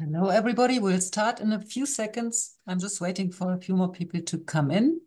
Hello, everybody. We'll start in a few seconds. I'm just waiting for a few more people to come in.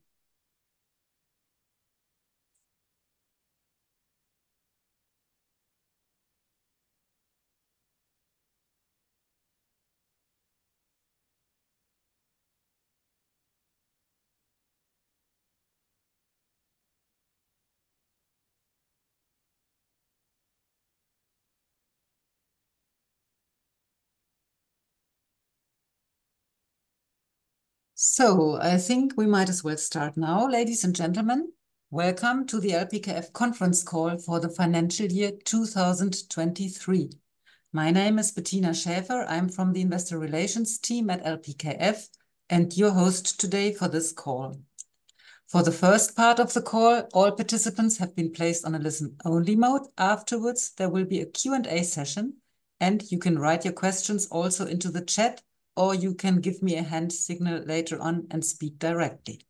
I think we might as well start now. Ladies and gentlemen, welcome to the LPKF conference call for the financial year 2023. My name is Bettina Schäfer. I'm from the investor relations team at LPKF, and your host today for this call. For the first part of the call, all participants have been placed on a listen-only mode. Afterwards, there will be a Q&A session, and you can write your questions also into the chat, or you can give me a hand signal later on and speak directly.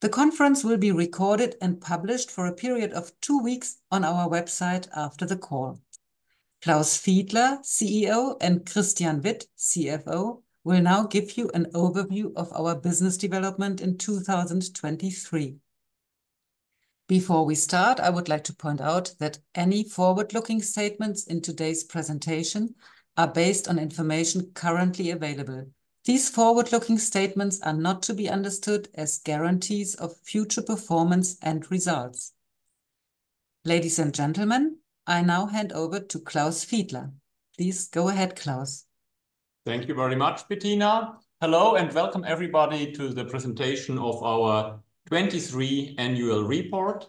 The conference will be recorded and published for a period of two weeks on our website after the call. Klaus Fiedler, CEO, and Christian Witt, CFO, will now give you an overview of our business development in 2023. Before we start, I would like to point out that any forward-looking statements in today's presentation are based on information currently available. These forward-looking statements are not to be understood as guarantees of future performance and results. Ladies and gentlemen, I now hand over to Klaus Fiedler. Please go ahead, Klaus. Thank you very much, Bettina. Hello, and welcome everybody to the presentation of our 2023 annual report.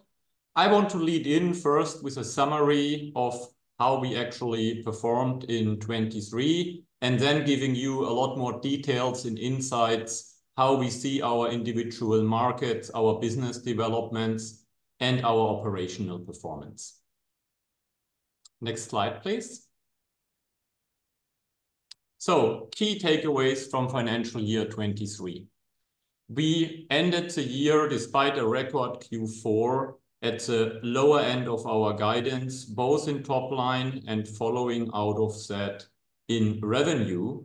I want to lead in first with a summary of how we actually performed in 2023, and then giving you a lot more details and insights, how we see our individual markets, our business developments, and our operational performance. Next slide, please. So key takeaways from financial year 2023: We ended the year despite a record Q4 at the lower end of our guidance, both in top line and following out of that in revenue.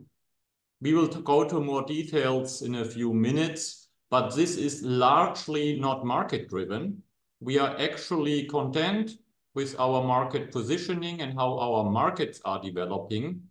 We will go to more details in a few minutes, but this is largely not market-driven. We are actually content with our market positioning and how our markets are developing.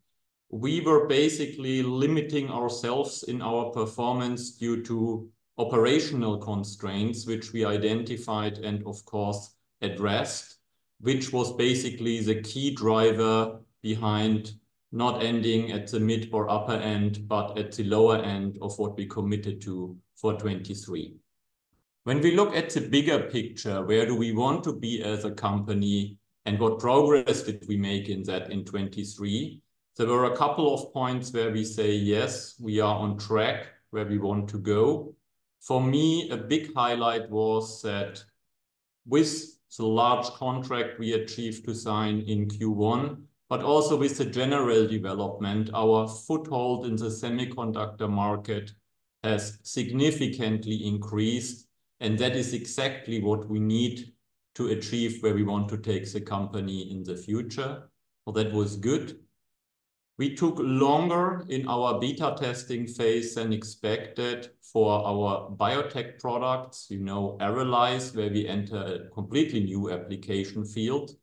We were basically limiting ourselves in our performance due to operational constraints, which we identified and of course addressed, which was basically the key driver behind not ending at the mid or upper end, but at the lower end of what we committed to for 2023. When we look at the bigger picture, where do we want to be as a company, and what progress did we make in that in 2023? There were a couple of points where we say, "Yes, we are on track where we want to go." For me, a big highlight was that with the large contract we achieved to sign in Q1, but also with the general development, our foothold in the semiconductor market has significantly increased, and that is exactly what we need to achieve where we want to take the company in the future. So that was good. We took longer in our beta testing phase than expected for our biotech products, you know, ARRALYZE, where we enter a completely new application field.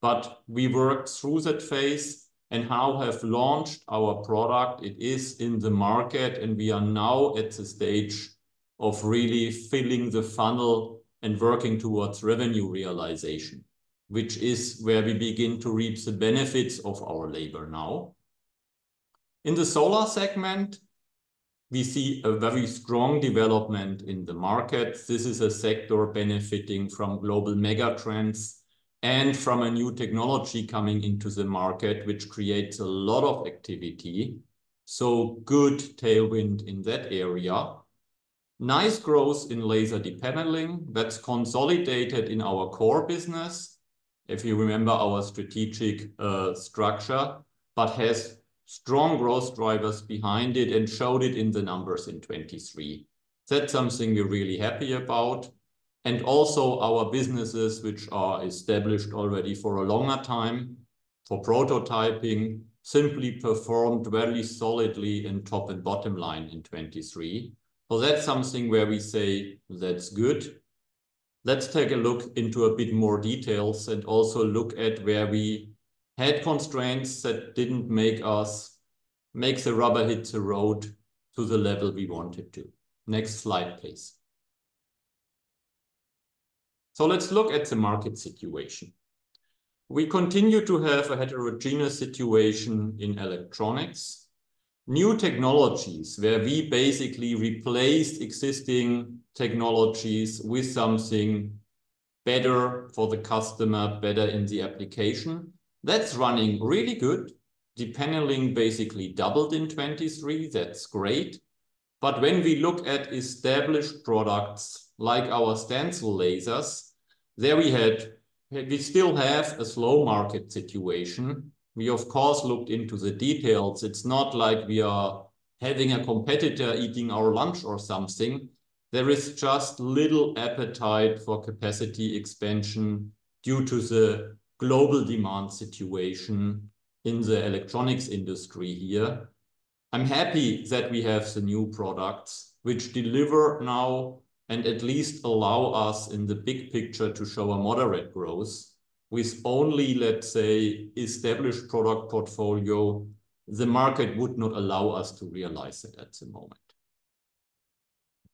But we worked through that phase and now have launched our product. It is in the market, and we are now at the stage of really filling the funnel and working towards revenue realization, which is where we begin to reap the benefits of our labor now. In the solar segment, we see a very strong development in the market. This is a sector benefiting from global mega trends and from a new technology coming into the market, which creates a lot of activity. So good tailwind in that area. Nice growth in laser depaneling that's consolidated in our core business, if you remember our strategic structure, but has strong growth drivers behind it and showed it in the numbers in 2023. That's something we're really happy about. And also our businesses, which are established already for a longer time for prototyping, simply performed very solidly in top and bottom line in 2023. So that's something where we say, "That's good." Let's take a look into a bit more details and also look at where we had constraints that didn't make us make the rubber hit the road to the level we wanted to. Next slide, please. So let's look at the market situation. We continue to have a heterogeneous situation in electronics. New technologies, where we basically replaced existing technologies with something better for the customer, better in the application, that's running really good. Depaneling basically doubled in 2023. That's great. But when we look at established products like our stencil lasers, there we had, we still have a slow market situation. We, of course, looked into the details. It's not like we are having a competitor eating our lunch or something, there is just little appetite for capacity expansion due to the global demand situation in the electronics industry here. I'm happy that we have the new products which deliver now, and at least allow us, in the big picture, to show a moderate growth. With only, let's say, established product portfolio, the market would not allow us to realize it at the moment.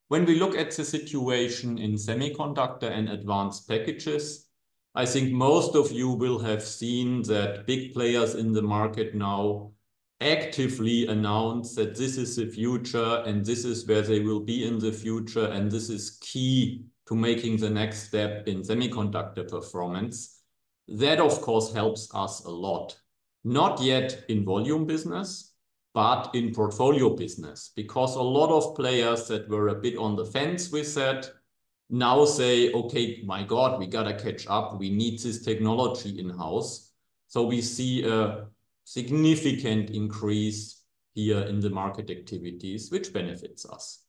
When we look at the situation in semiconductor and advanced packages, I think most of you will have seen that big players in the market now actively announce that this is the future, and this is where they will be in the future, and this is key to making the next step in semiconductor performance. That, of course, helps us a lot, not yet in volume business, but in portfolio business, because a lot of players that were a bit on the fence with that now say, "Okay, my God, we gotta catch up. We need this technology in-house." So we see a significant increase here in the market activities, which benefits us.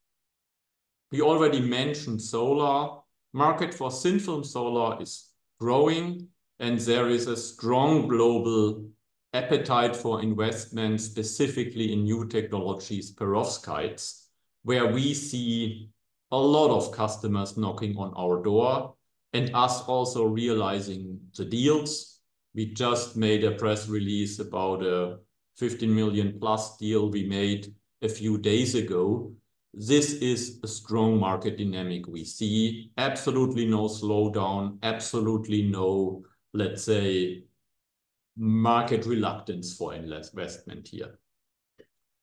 We already mentioned solar. Market for thin-film solar is growing, and there is a strong global appetite for investment, specifically in new technologies, perovskites, where we see a lot of customers knocking on our door and us also realizing the deals. We just made a press release about a 15+ million deal we made a few days ago. This is a strong market dynamic we see. Absolutely no slowdown, absolutely no, let's say, market reluctance for investment here.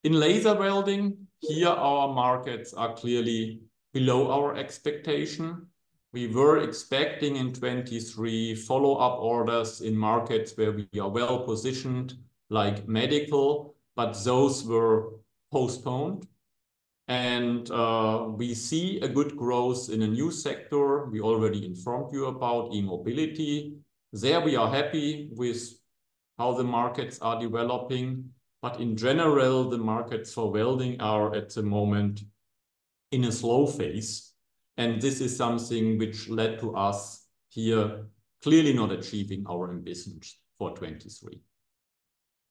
In laser welding, here our markets are clearly below our expectation. We were expecting in 2023 follow-up orders in markets where we are well-positioned, like medical, but those were postponed. And, we see a good growth in a new sector. We already informed you about, e-mobility. There we are happy with how the markets are developing. But in general, the markets for welding are, at the moment, in a slow phase, and this is something which led to us here clearly not achieving our ambitions for 2023.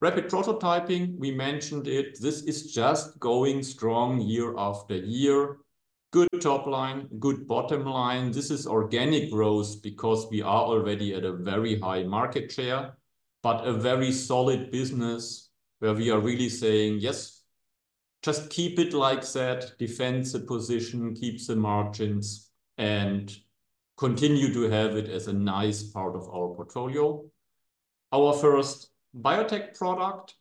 Rapid Prototyping, we mentioned it. This is just going strong year after year. Good top line, good bottom line. This is organic growth because we are already at a very high market share, but a very solid business where we are really saying, "Yes, just keep it like that. Defend the position, keep the margins, and continue to have it as a nice part of our portfolio." Our first biotech product,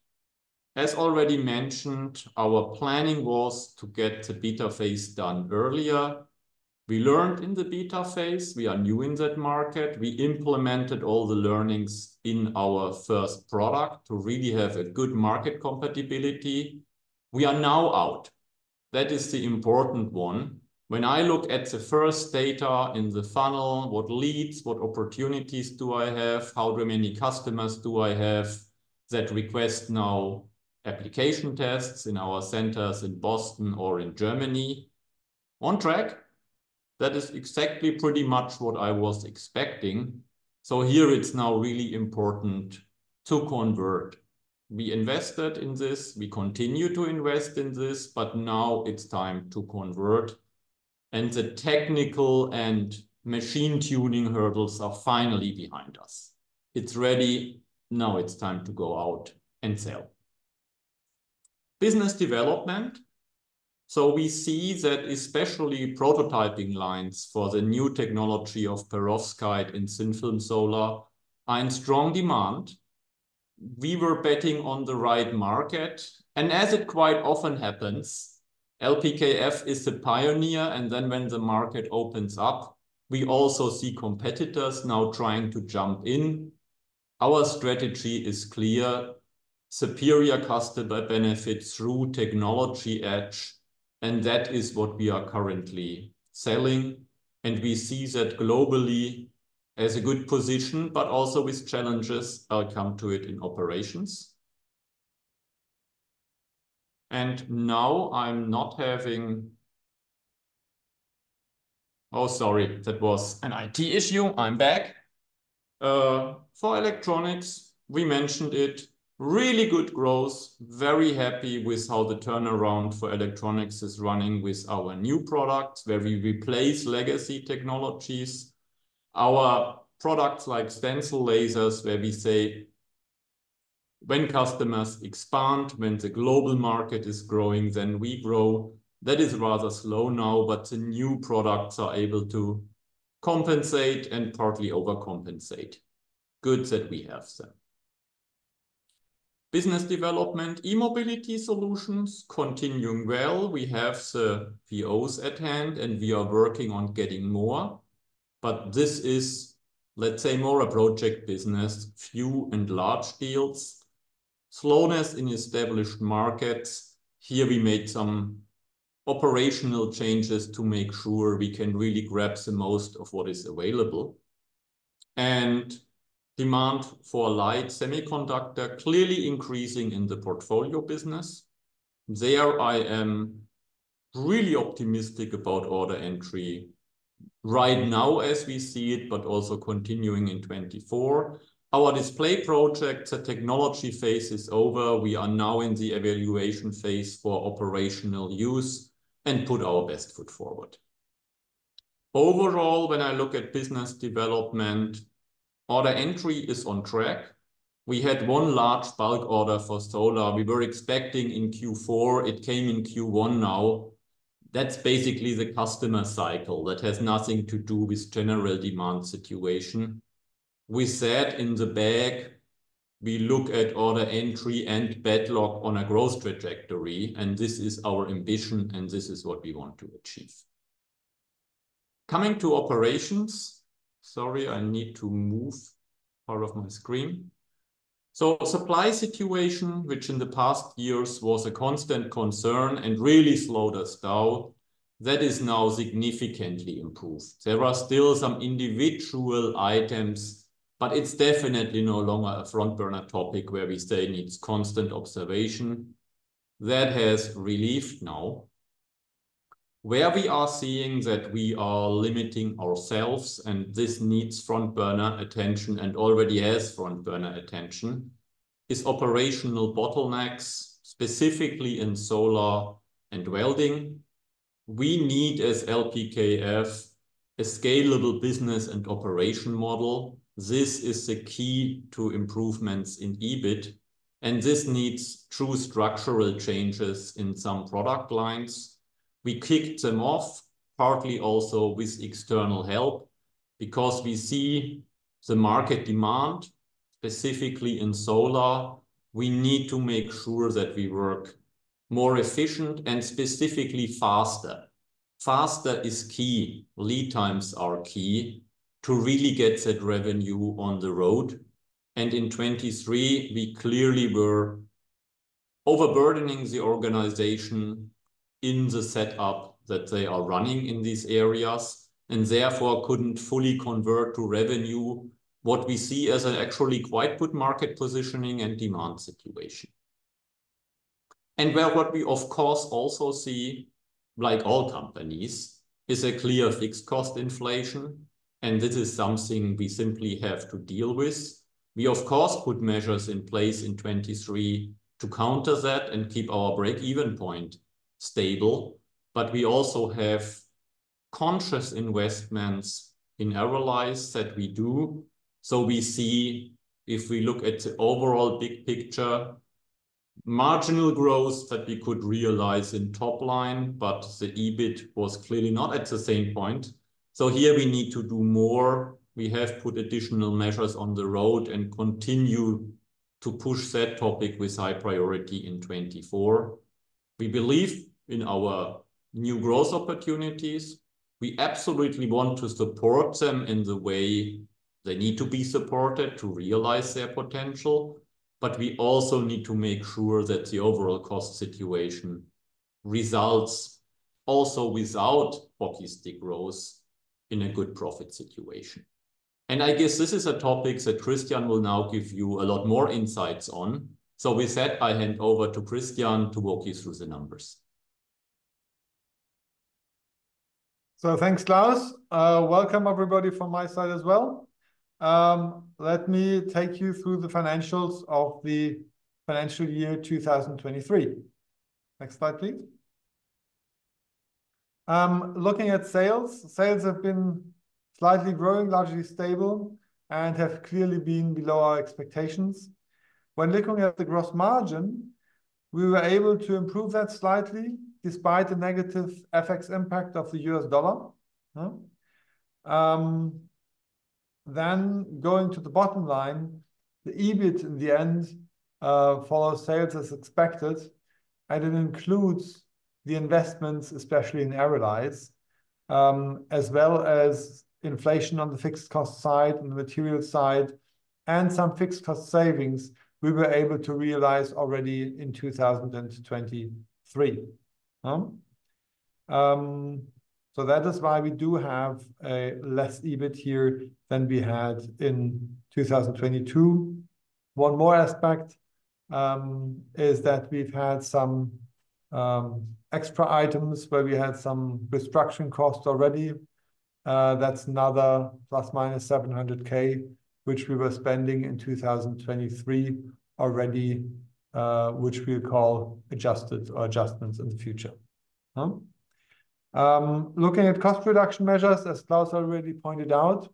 as already mentioned, our planning was to get the beta phase done earlier. We learned in the beta phase we are new in that market. We implemented all the learnings in our first product to really have a good market compatibility. We are now out. That is the important one. When I look at the first data in the funnel, what leads, what opportunities do I have? How many customers do I have that request now application tests in our centers in Boston or in Germany? On track. That is exactly pretty much what I was expecting. So here it's now really important to convert. We invested in this, we continue to invest in this, but now it's time to convert, and the technical and machine-tuning hurdles are finally behind us. It's ready. Now it's time to go out and sell. Business development. So we see that especially prototyping lines for the new technology of perovskite and thin-film solar are in strong demand. We were betting on the right market, and as it quite often happens, LPKF is the pioneer, and then when the market opens up, we also see competitors now trying to jump in. Our strategy is clear: superior customer benefit through technology edge, and that is what we are currently selling, and we see that globally as a good position, but also with challenges. I'll come to it in operations. And now I'm not having... Oh, sorry, that was an IT issue. I'm back. For electronics, we mentioned it, really good growth. Very happy with how the turnaround for electronics is running with our new products, where we replace legacy technologies. Our products like stencil lasers, where we say when customers expand, when the global market is growing, then we grow. That is rather slow now, but the new products are able to compensate and partly overcompensate. Good that we have them. Business development. E-mobility solutions continuing well. We have the POs at hand, and we are working on getting more. But this is, let's say, more a project business, few and large deals. Slowness in established markets. Here we made some operational changes to make sure we can really grab the most of what is available, and demand for LIDE semiconductor clearly increasing in the portfolio business. There, I am really optimistic about order entry right now as we see it, but also continuing in 2024. Our display project, the technology phase is over. We are now in the evaluation phase for operational use, and put our best foot forward. Overall, when I look at business development, order entry is on track. We had one large bulk order for solar we were expecting in Q4. It came in Q1 now. That's basically the customer cycle. That has nothing to do with general demand situation. We said in the bag, we look at order entry and backlog on a growth trajectory, and this is our ambition, and this is what we want to achieve. Coming to operations - Sorry, I need to move out of my screen. So supply situation, which in the past years was a constant concern and really slowed us down, that is now significantly improved. There are still some individual items, but it's definitely no longer a front-burner topic where we say needs constant observation. That has relieved now. Where we are seeing that we are limiting ourselves, and this needs front-burner attention and already has front-burner attention, is operational bottlenecks, specifically in solar and welding. We need, as LPKF, a scalable business and operation model. This is the key to improvements in EBIT, and this needs true structural changes in some product lines. We kicked them off, partly also with external help, because we see the market demand, specifically in solar. We need to make sure that we work more efficient and specifically faster. Faster is key. Lead times are key to really get that revenue on the road, and in 2023, we clearly were overburdening the organization in the setup that they are running in these areas, and therefore, couldn't fully convert to revenue what we see as an actually quite good market positioning and demand situation. Well, what we of course also see, like all companies, is a clear fixed-cost inflation, and this is something we simply have to deal with. We of course put measures in place in 2023 to counter that and keep our break-even point stable, but we also have conscious investments in ARRALYZE that we do. So we see, if we look at the overall big picture, marginal growth that we could realize in top line, but the EBIT was clearly not at the same point. So here we need to do more. We have put additional measures on the road and continue to push that topic with high priority in 2024. We believe in our new growth opportunities. We absolutely want to support them in the way they need to be supported to realize their potential, but we also need to make sure that the overall cost situation results also without hockey stick growth in a good profit situation. I guess this is a topic that Christian will now give you a lot more insights on. With that, I hand over to Christian to walk you through the numbers. So thanks, Klaus. Welcome, everybody, from my side as well. Let me take you through the financials of the financial year 2023. Next slide, please. Looking at sales, sales have been slightly growing, largely stable, and have clearly been below our expectations. When looking at the gross margin, we were able to improve that slightly, despite the negative FX impact of the U.S. dollar, huh? Then going to the bottom line, the EBIT in the end follow sales as expected, and it includes the investments, especially in ARRALYZE, as well as inflation on the fixed cost side and the material side, and some fixed cost savings we were able to realize already in 2023. So that is why we do have a less EBIT here than we had in 2022. One more aspect, is that we've had some, extra items where we had some restructuring costs already. That's another ±700,000, which we were spending in 2023 already, which we call adjusted or adjustments in the future? Looking at cost reduction measures, as Klaus already pointed out,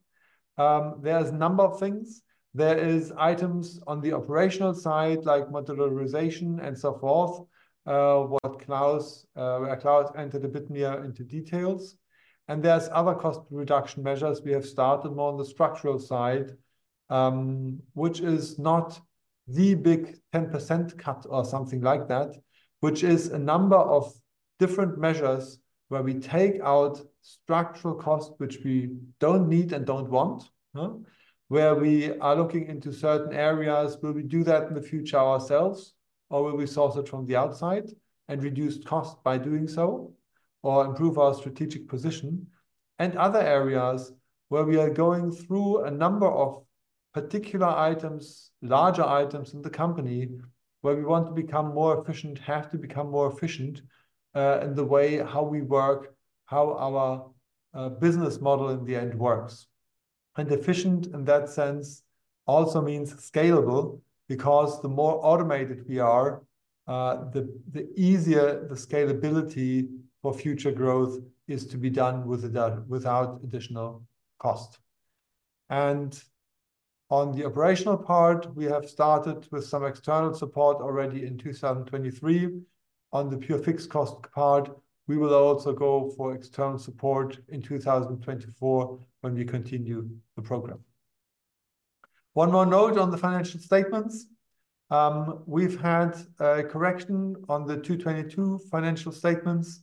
there's a number of things. There is items on the operational side, like modularization and so forth, what Klaus, Klaus entered a bit more into details. And there's other cost reduction measures we have started more on the structural side, which is not the big 10% cut or something like that, which is a number of different measures where we take out structural costs, which we don't need and don't want, huh? Where we are looking into certain areas, will we do that in the future ourselves, or will we source it from the outside and reduce cost by doing so? Or improve our strategic position, and other areas where we are going through a number of particular items, larger items in the company, where we want to become more efficient, have to become more efficient, in the way how we work, how our business model in the end works. And efficient in that sense also means scalable, because the more automated we are, the easier the scalability for future growth is to be done with that without additional cost. And on the operational part, we have started with some external support already in 2023. On the pure fixed cost part, we will also go for external support in 2024 when we continue the program. One more note on the financial statements. We've had a correction on the 2022 financial statements,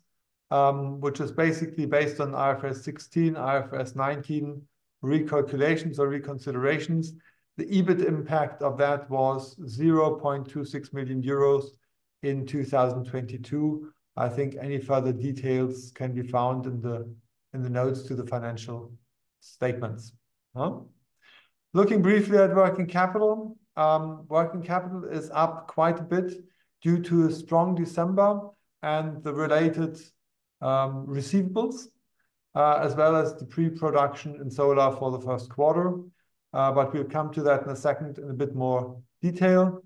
which is basically based on IFRS 16, IFRS 19 recalculations or reconsiderations. The EBIT impact of that was 0.26 million euros in 2022. I think any further details can be found in the, in the notes to the financial statements. Looking briefly at working capital, working capital is up quite a bit due to a strong December and the related, receivables, as well as the pre-production in solar for the first quarter. But we'll come to that in a second in a bit more detail.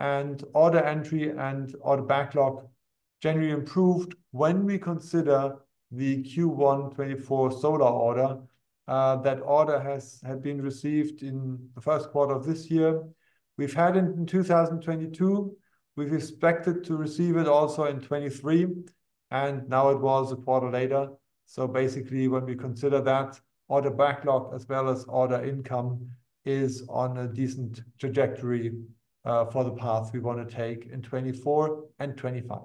Order entry and order backlog generally improved when we consider the Q1 2024 Solar Order. That order has had been received in the first quarter of this year. We've had it in 2022. We've expected to receive it also in 2023, and now it was a quarter later. So basically, when we consider that, order backlog as well as order entry is on a decent trajectory for the path we want to take in 2024 and 2025.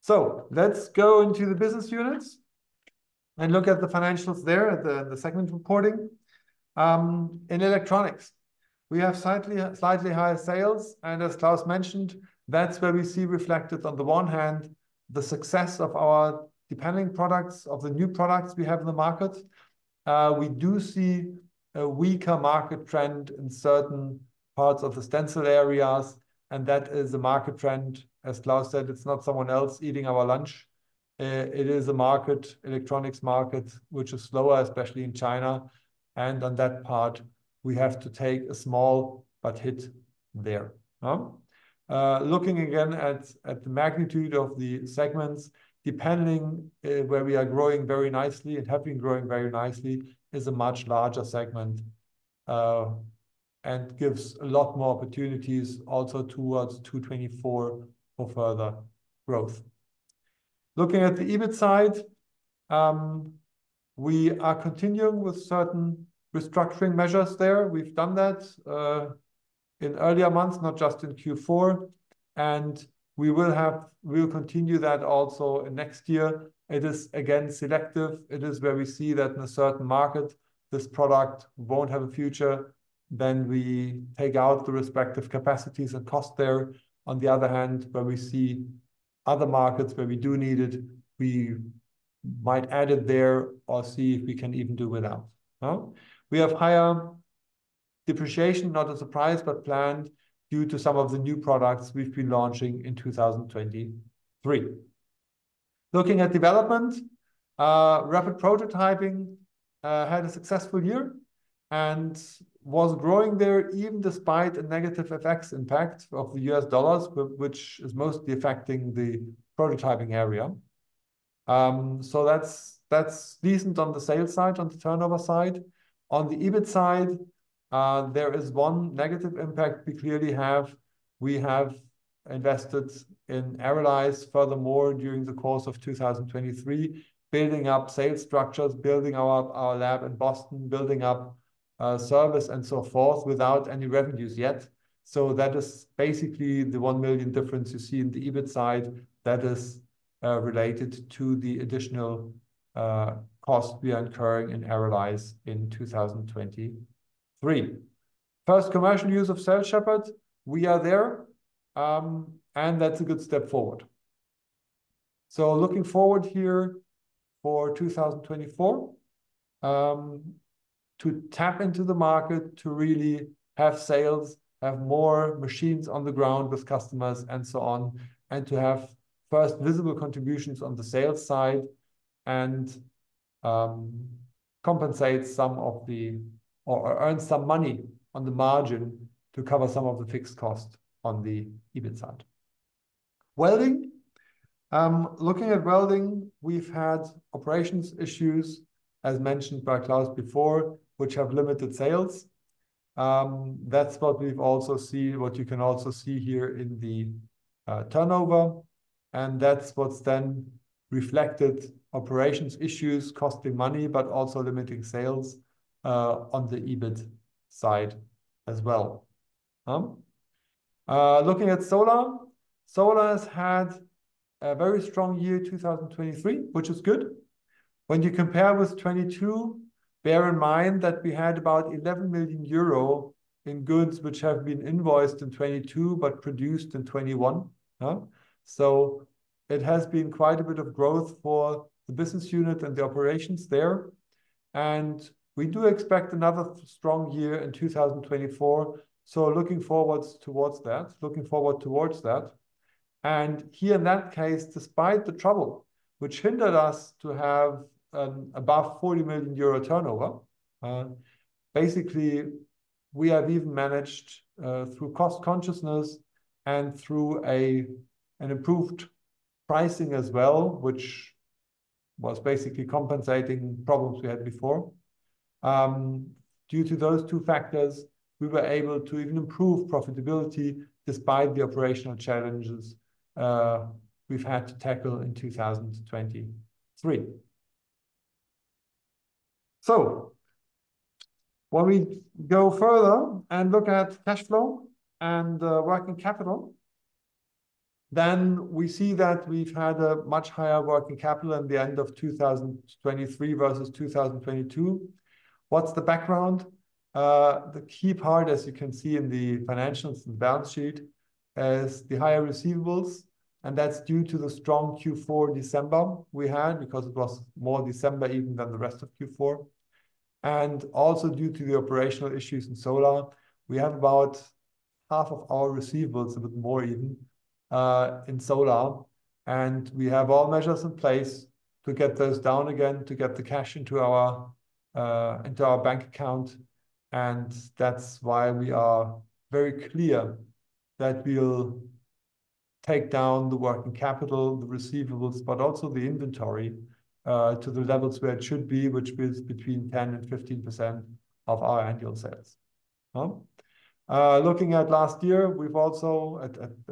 So let's go into the business units and look at the financials there, at the segment reporting. In electronics, we have slightly higher sales, and as Klaus mentioned, that's where we see reflected, on the one hand, the success of our depaneling products, of the new products we have in the market. We do see a weaker market trend in certain parts of the stencil areas, and that is a market trend. As Klaus said, it's not someone else eating our lunch. It is a market, electronics market, which is slower, especially in China, and on that part, we have to take a small, but hit there. Looking again at the magnitude of the segments, depending where we are growing very nicely and have been growing very nicely, is a much larger segment, and gives a lot more opportunities also towards 2024 for further growth. Looking at the EBIT side, we are continuing with certain restructuring measures there. We've done that in earlier months, not just in Q4, and we'll continue that also in next year. It is again, selective. It is where we see that in a certain market, this product won't have a future, then we take out the respective capacities and cost there. On the other hand, where we see other markets where we do need it, we might add it there or see if we can even do without, huh? We have higher depreciation, not a surprise, but planned due to some of the new products we've been launching in 2023. Looking at development, Rapid Prototyping had a successful year and was growing there even despite a negative FX impact of the U.S. dollar, which is mostly affecting the prototyping area. So that's, that's decent on the sales side, on the turnover side. On the EBIT side, there is one negative impact we clearly have. We have invested in ARRALYZE furthermore during the course of 2023, building up sales structures, building up our lab in Boston, building up service and so forth, without any revenues yet. So that is basically the 1 million difference you see in the EBIT side that is related to the additional cost we are incurring in ARRALYZE in 2023. First commercial use of CellShepherd, we are there, and that's a good step forward. So looking forward here for 2024 to tap into the market, to really have sales, have more machines on the ground with customers and so on, and to have first visible contributions on the sales side and compensate some of the... or, or earn some money on the margin to cover some of the fixed cost on the EBIT side. Welding, looking at welding, we've had operations issues, as mentioned by Klaus before, which have limited sales. That's what we've also seen, what you can also see here in the turnover, and that's what's then reflected operations issues, costing money, but also limiting sales on the EBIT side as well. Looking at solar, solar has had a very strong year, 2023, which is good. When you compare with 2022, bear in mind that we had about 11 million euro in goods which have been invoiced in 2022, but produced in 2021, huh? So it has been quite a bit of growth for the business unit and the operations there, and we do expect another strong year in 2024. So looking forward towards that. Here in that case, despite the trouble which hindered us to have above 40 million euro turnover, basically, we have even managed through cost consciousness and through an improved pricing as well, which was basically compensating problems we had before. Due to those two factors, we were able to even improve profitability despite the operational challenges we've had to tackle in 2023. When we go further and look at cash flow and working capital, then we see that we've had a much higher working capital at the end of 2023 versus 2022. What's the background? The key part, as you can see in the financials and balance sheet, is the higher receivables, and that's due to the strong Q4 December we had, because it was more December even than the rest of Q4, and also due to the operational issues in solar. We have about half of our receivables, a bit more even, in solar, and we have all measures in place to get those down again, to get the cash into our, into our bank account. And that's why we are very clear that we'll take down the working capital, the receivables, but also the inventory, to the levels where it should be, which is between 10% and 15% of our annual sales. Huh? Looking at last year, we've also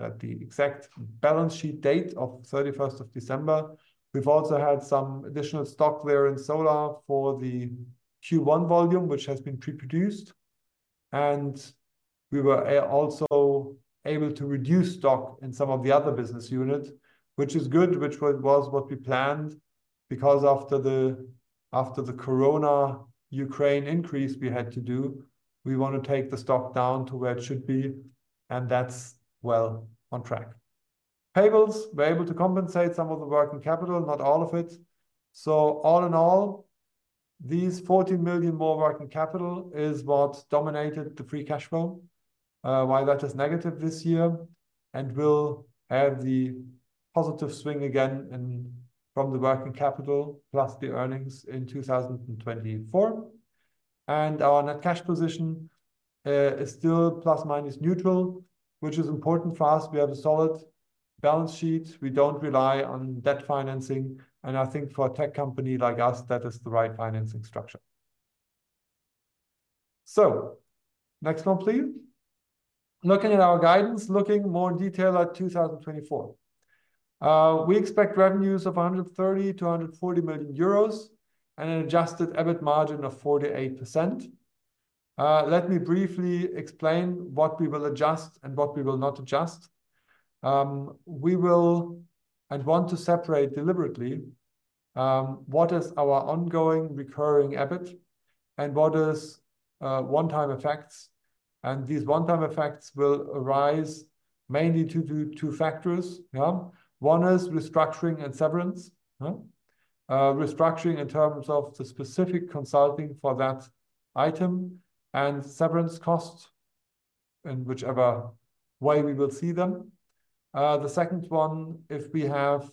at the exact balance sheet date of 3Ist of December, we've also had some additional stock there in solar for the Q1 volume, which has been pre-produced. And we were also able to reduce stock in some of the other business units, which is good, which was what we planned. Because after the Corona-Ukraine increase we had to do, we want to take the stock down to where it should be, and that's well on track. Payables, we're able to compensate some of the working capital, not all of it. So all in all, these 14 million more working capital is what dominated the free cash flow, why that is negative this year, and we'll have the positive swing again in, from the working capital plus the earnings in 2024. Our net cash position is still plus, minus neutral, which is important for us. We have a solid balance sheet. We don't rely on debt financing, and I think for a tech company like us, that is the right financing structure. Next one, please. Looking at our guidance, looking more in detail at 2024. We expect revenues of 130 million euros-EUR140 million and an adjusted EBIT margin of 4%-8%. Let me briefly explain what we will adjust and what we will not adjust. We will and want to separate deliberately what is our ongoing recurring EBIT and what is one-time effects. These one-time effects will arise mainly due to two factors, yeah? One is restructuring and severance, huh? Restructuring in terms of the specific consulting for that item and severance costs in whichever way we will see them. The second one, if we have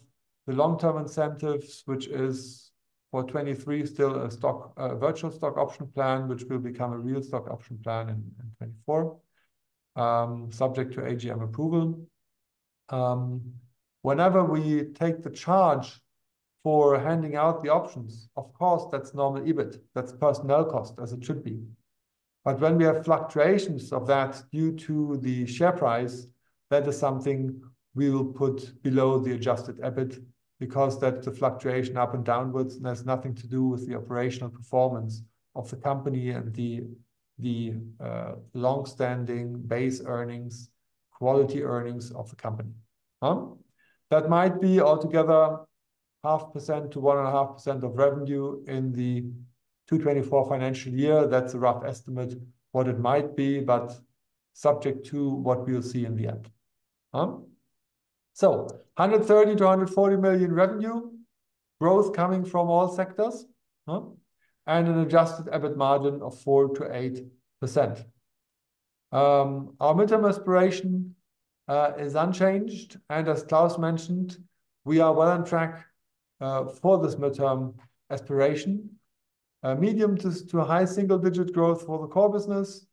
the long-term incentives, which is for 2023, still a stock, a virtual stock option plan, which will become a real stock option plan in, in 2024, subject to AGM approval. Whenever we take the charge for handing out the options, of course, that's normal EBIT. That's personnel cost, as it should be. But when we have fluctuations of that due to the share price, that is something we will put below the adjusted EBIT, because that's a fluctuation up and downwards, and has nothing to do with the operational performance of the company and the, the, long-standing base earnings, quality earnings of the company, huh? That might be altogether 0.5%-1.5% of revenue in the 2024 financial year. That's a rough estimate what it might be, but subject to what we'll see in the end. So 130 million-140 million revenue, growth coming from all sectors, and an adjusted EBIT margin of 4%-8%. Our midterm aspiration is unchanged, and as Klaus mentioned, we are well on track for this midterm aspiration. Medium- to high single-digit growth for the core business.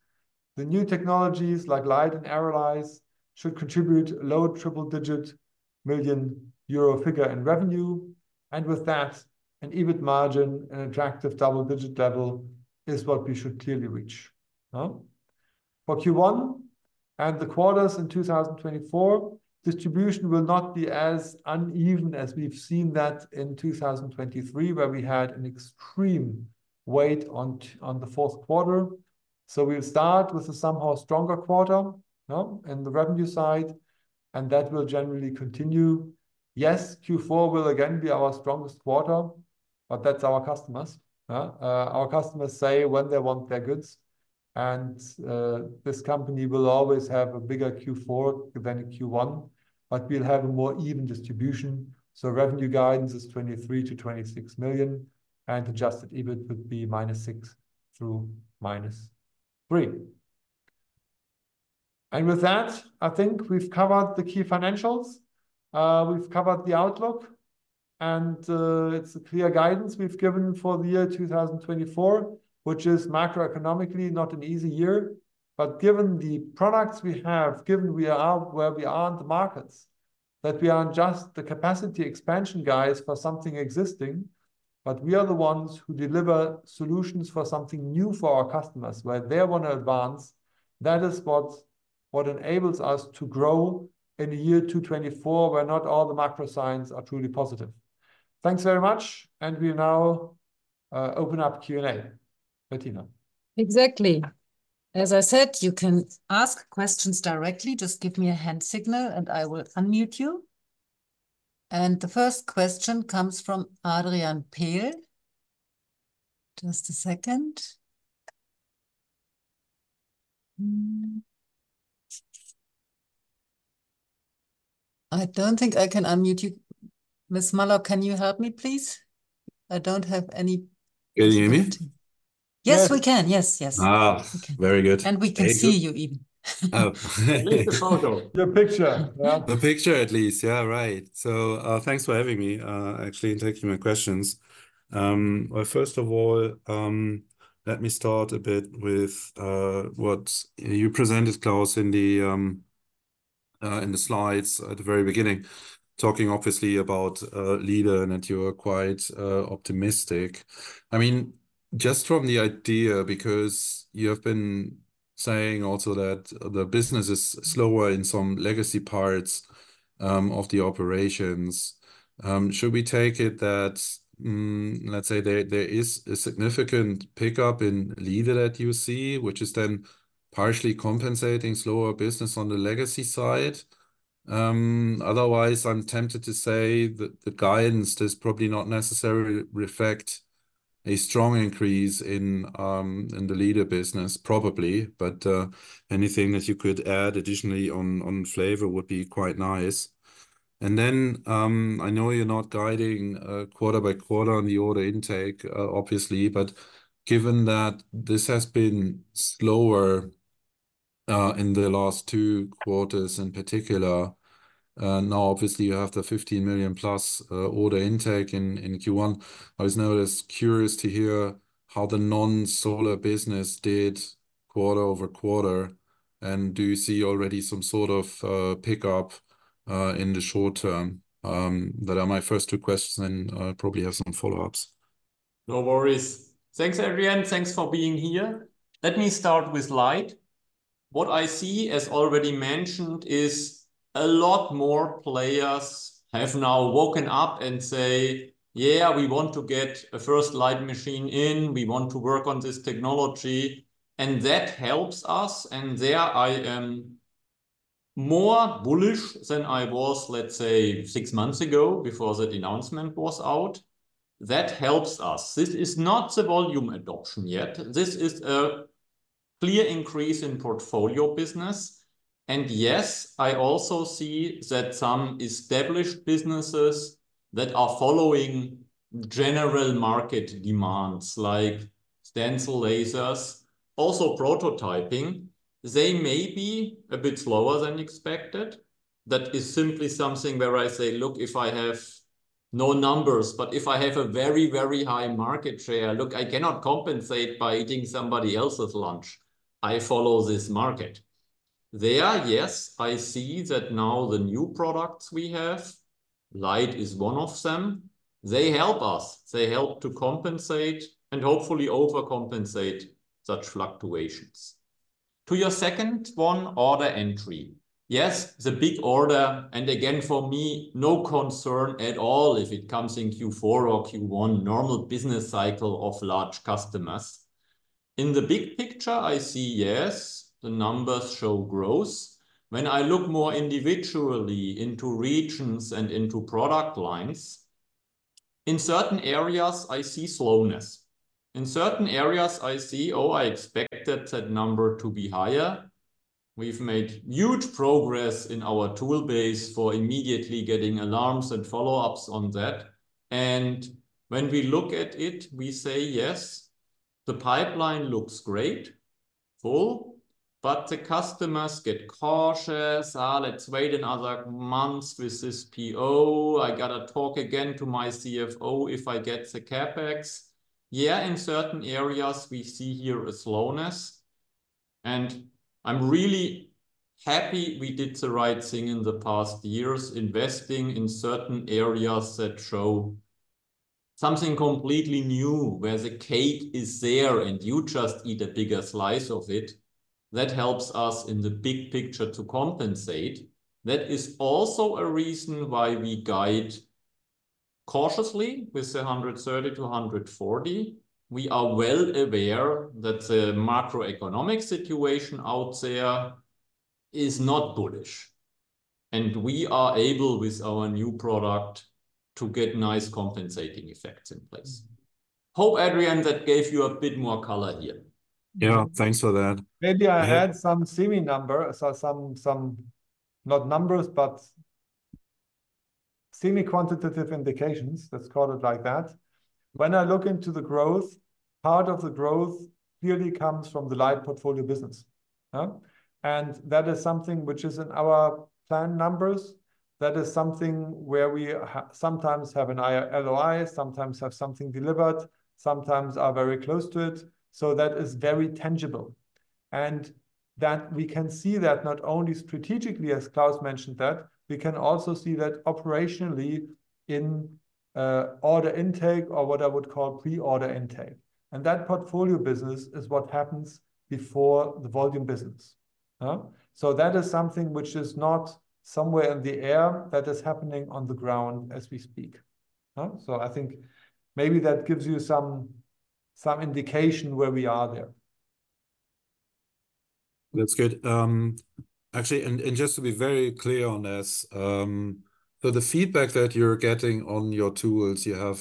The new technologies like LIDE and ARRALYZE should contribute low triple-digit million EUR figure in revenue, and with that, an EBIT margin, an attractive double-digit level is what we should clearly reach. For Q1 and the quarters in 2024, distribution will not be as uneven as we've seen that in 2023, where we had an extreme weight on the fourth quarter. So we'll start with a somehow stronger quarter, huh, in the revenue side-... and that will generally continue. Yes, Q4 will again be our strongest quarter, but that's our customers, huh? Our customers say when they want their goods, and this company will always have a bigger Q4 than a Q1, but we'll have a more even distribution. So revenue guidance is 23 million-26 million, and adjusted EBIT would be -6 million to -3 million. And with that, I think we've covered the key financials. We've covered the outlook, and it's a clear guidance we've given for the year 2024, which is macroeconomically not an easy year. But given the products we have, given we are out where we are in the markets, that we aren't just the capacity expansion guys for something existing, but we are the ones who deliver solutions for something new for our customers, where they want to advance. That is what enables us to grow in a year, 2024, where not all the macro signs are truly positive. Thanks very much, and we now open up Q&A. Bettina? Exactly. As I said, you can ask questions directly. Just give me a hand signal, and I will unmute you. The first question comes from Adrian Pehl. Just a second. I don't think I can unmute you. Ms. Mallock, can you help me, please? I don't have any- Can you hear me? Yes, we can. Yes, yes. Ah, very good. We can see you, even. Oh. At least the photo. The picture, yeah. The picture at least. Yeah, right. So, thanks for having me, actually, and taking my questions. Well, first of all, let me start a bit with what you presented, Klaus, in the slides at the very beginning, talking obviously about LIDE, and that you were quite optimistic. I mean, just from the idea, because you have been saying also that the business is slower in some legacy parts of the operations. Should we take it that, let's say there is a significant pickup in LIDE that you see, which is then partially compensating slower business on the legacy side? Otherwise, I'm tempted to say that the guidance does probably not necessarily reflect a strong increase in the LIDE business, probably. Anything that you could add additionally on, on flavor would be quite nice. Then, I know you're not guiding quarter by quarter on the order intake, obviously, but given that this has been slower in the last two quarters in particular, now obviously you have the 15+ million order intake in Q1. I was now just curious to hear how the non-solar business did quarter-over-quarter, and do you see already some sort of pickup in the short term? That are my first two questions, and I probably have some follow-ups. No worries. Thanks, Adrian. Thanks for being here. Let me start with LIDE. What I see, as already mentioned, is a lot more players have now woken up and say, "Yeah, we want to get a first LIDE machine in. We want to work on this technology," and that helps us. And there I am more bullish than I was, let's say, six months ago, before the announcement was out. That helps us. This is not the volume adoption yet. This is a clear increase in portfolio business. And yes, I also see that some established businesses that are following general market demands, like stencil lasers, also prototyping, they may be a bit slower than expected. That is simply something where I say, "Look, if I have no numbers, but if I have a very, very high market share, look, I cannot compensate by eating somebody else's lunch. I follow this market." There, yes, I see that now the new products we have, LIDE is one of them, they help us. They help to compensate and hopefully overcompensate such fluctuations. To your second one, order entry. Yes, the big order, and again, for me, no concern at all if it comes in Q4 or Q1, normal business cycle of large customers. In the big picture, I see, yes, the numbers show growth. When I look more individually into regions and into product lines, in certain areas I see slowness. In certain areas, I see, "Oh, I expected that number to be higher." We've made huge progress in our tool base for immediately getting alarms and follow-ups on that. And when we look at it, we say, "Yes, the pipeline looks great, full, but the customers get cautious. Let's wait another month with this PO. I gotta talk again to my CFO if I get the CapEx." Yeah, in certain areas, we see here a slowness, and I'm really happy we did the right thing in the past years, investing in certain areas that show something completely new, where the cake is there, and you just eat a bigger slice of it. That helps us in the big picture to compensate. That is also a reason why we guide cautiously with the 130-140. We are well aware that the macroeconomic situation out there is not bullish, and we are able, with our new product, to get nice compensating effects in place. Hope, Adrian, that gave you a bit more color here. Yeah, thanks for that. Maybe I had some semi-number, so some not numbers, but semi-quantitative indications, let's call it like that. When I look into the growth, part of the growth really comes from the LIDE portfolio business. And that is something which is in our plan numbers. That is something where we sometimes have an LOI, sometimes have something delivered, sometimes are very close to it. So that is very tangible. And that we can see that not only strategically, as Klaus mentioned that, we can also see that operationally in order intake or what I would call pre-order intake. And that portfolio business is what happens before the volume business. So that is something which is not somewhere in the air, that is happening on the ground as we speak. So I think maybe that gives you some indication where we are there. That's good. Actually, just to be very clear on this, so the feedback that you're getting on your tools you have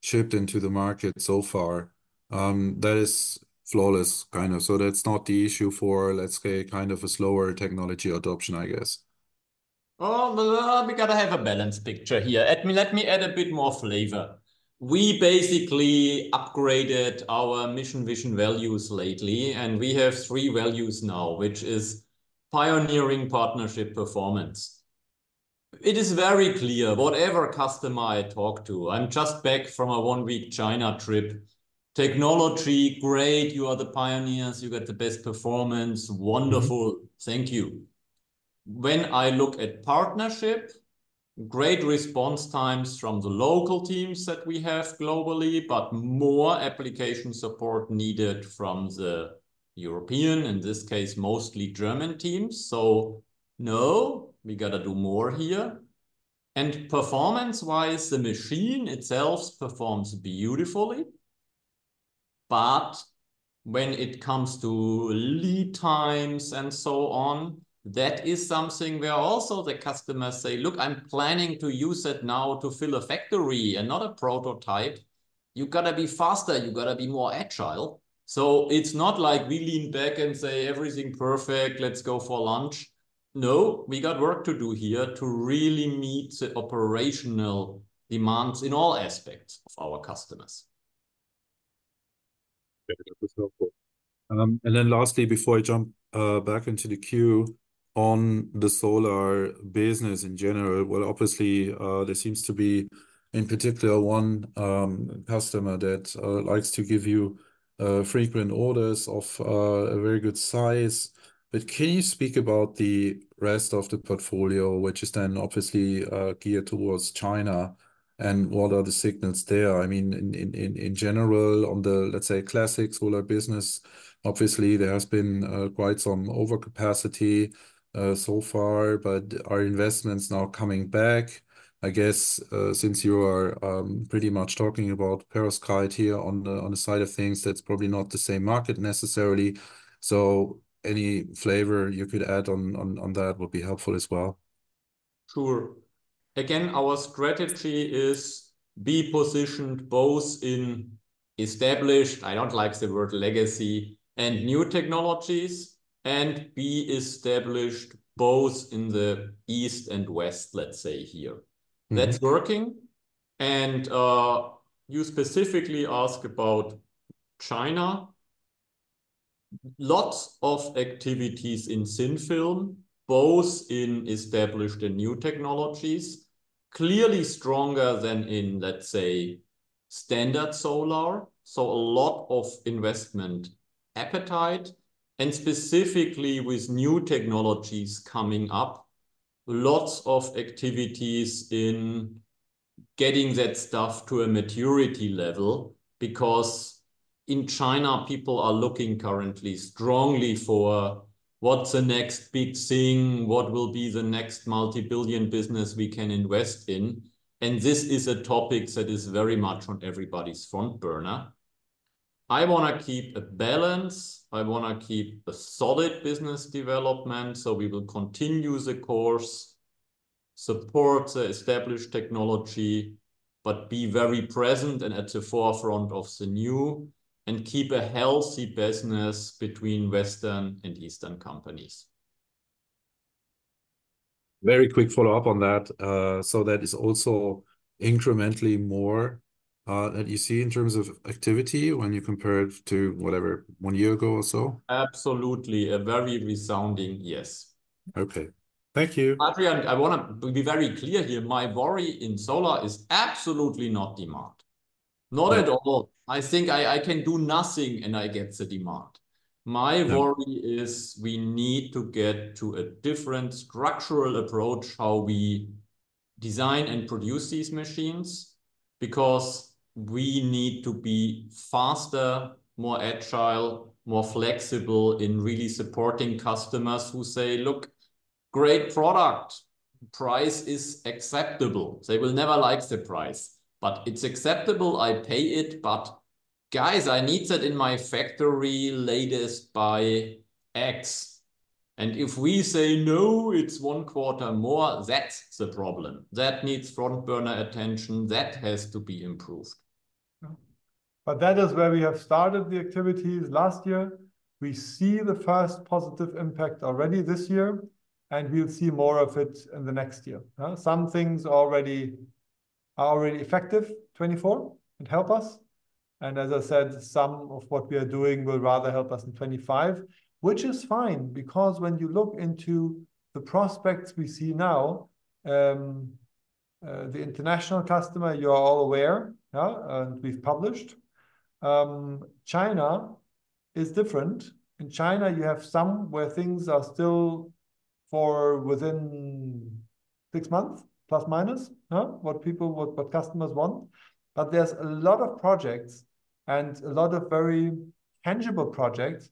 shipped into the market so far, that is flawless kind of. So that's not the issue for, let's say, kind of a slower technology adoption, I guess. Oh, well, we gotta have a balanced picture here. Let me, let me add a bit more flavor. We basically upgraded our mission vision values lately, and we have three values now, which is pioneering, partnership, performance. It is very clear, whatever customer I talk to—I'm just back from a one-week China trip, "Technology, great, you are the pioneers. You get the best performance. Wonderful. Mm-hmm. Thank you." When I look at partnership, great response times from the local teams that we have globally, but more application support needed from the European, in this case, mostly German teams. So no, we gotta do more here. And performance-wise, the machine itself performs beautifully, but when it comes to lead times and so on, that is something where also the customers say, "Look, I'm planning to use it now to fill a factory and not a prototype. You've gotta be faster. You've gotta be more agile." So it's not like we lean back and say, "Everything perfect, let's go for lunch." No, we got work to do here to really meet the operational demands in all aspects of our customers. Okay, that was helpful. And then lastly, before I jump back into the queue, on the solar business in general, well, obviously, there seems to be, in particular, one customer that likes to give you frequent orders of a very good size. But can you speak about the rest of the portfolio, which is then obviously geared towards China, and what are the signals there? I mean, in general, on the, let's say, classic solar business, obviously there has been quite some overcapacity so far, but are investments now coming back? I guess, since you are pretty much talking about perovskite here on the side of things, that's probably not the same market necessarily. So any flavor you could add on that would be helpful as well. Sure. Again, our strategy is be positioned both in established, I don't like the word legacy, and new technologies, and be established both in the East and West, let's say here. Mm-hmm. That's working, and you specifically ask about China. Lots of activities in thin film, both in established and new technologies, clearly stronger than in, let's say, standard solar. So a lot of investment appetite, and specifically with new technologies coming up, lots of activities in getting that stuff to a maturity level. Because in China, people are looking currently strongly for what's the next big thing, what will be the next multi-billion business we can invest in, and this is a topic that is very much on everybody's front burner. I wanna keep a balance. I wanna keep a solid business development, so we will continue the course, support the established technology, but be very present and at the forefront of the new, and keep a healthy business between Western and Eastern companies. Very quick follow-up on that. So that is also incrementally more, that you see in terms of activity when you compare it to, whatever, one year ago or so? Absolutely. A very resounding yes. Okay. Thank you. Adrian, I wanna be very clear here. My worry in solar is absolutely not demand. Right. Not at all. I think I, I can do nothing, and I get the demand. Yeah. My worry is we need to get to a different structural approach, how we design and produce these machines, because we need to be faster, more agile, more flexible in really supporting customers who say, "Look, great product. Price is acceptable." They will never like the price, but it's acceptable, I pay it, but, "Guys, I need that in my factory latest by X." And if we say, "No, it's one quarter more," that's the problem. That needs front burner attention. That has to be improved. Yeah. But that is where we have started the activities last year. We see the first positive impact already this year, and we'll see more of it in the next year, huh? Some things already are effective, 2024, and help us. And as I said, some of what we are doing will rather help us in 2025, which is fine, because when you look into the prospects we see now, the international customer, you are all aware, yeah, and we've published. China is different. In China you have somewhere things are still within six months, plus, minus, huh, what people, what customers want. But there's a lot of projects, and a lot of very tangible projects,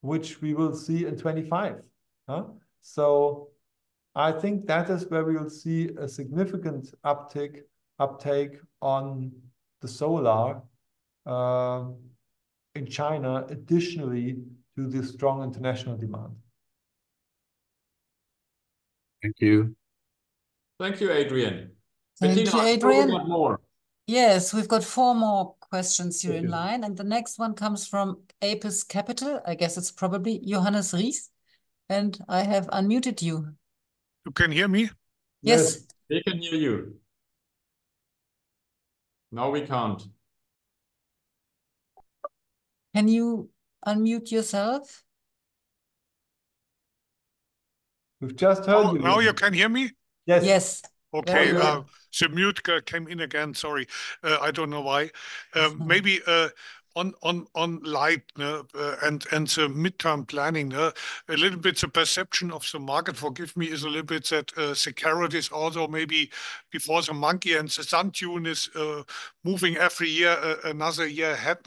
which we will see in 2025, huh? So I think that is where we will see a significant uptake on the solar, in China, additionally to the strong international demand. Thank you. Thank you, Adrian. Thank you, Adrian.... One more. Yes, we've got four more questions here in line- Thank you. The next one comes from APUS Capital. I guess it's probably Johannes Ries, and I have unmuted you. You can hear me? Yes. Yes, we can hear you. Now we can't. Can you unmute yourself? We've just heard you. Now, now you can hear me? Yes. Yes. Okay, the mute came in again, sorry. I don't know why. Maybe on LIDE and the midterm planning, a little bit the perception of the market, forgive me, is a little bit that securities, although maybe before the monkey and the sun tune is moving every year, another year ahead.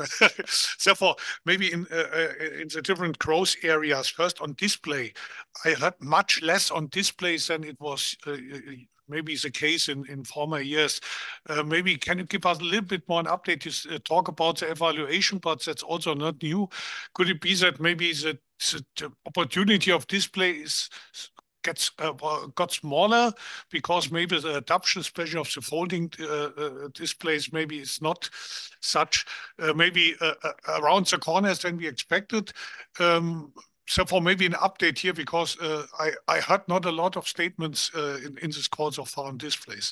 Therefore, maybe in the different growth areas, first on display, I heard much less on displays than it was maybe the case in former years. Maybe can you give us a little bit more an update, you talk about the evaluation, but that's also not new. Could it be that maybe the opportunity of display is getting smaller because maybe the adoption pressure of the folding displays maybe is not such maybe around the corner as than we expected? So for maybe an update here, because I heard not a lot of statements in this call so far on displays.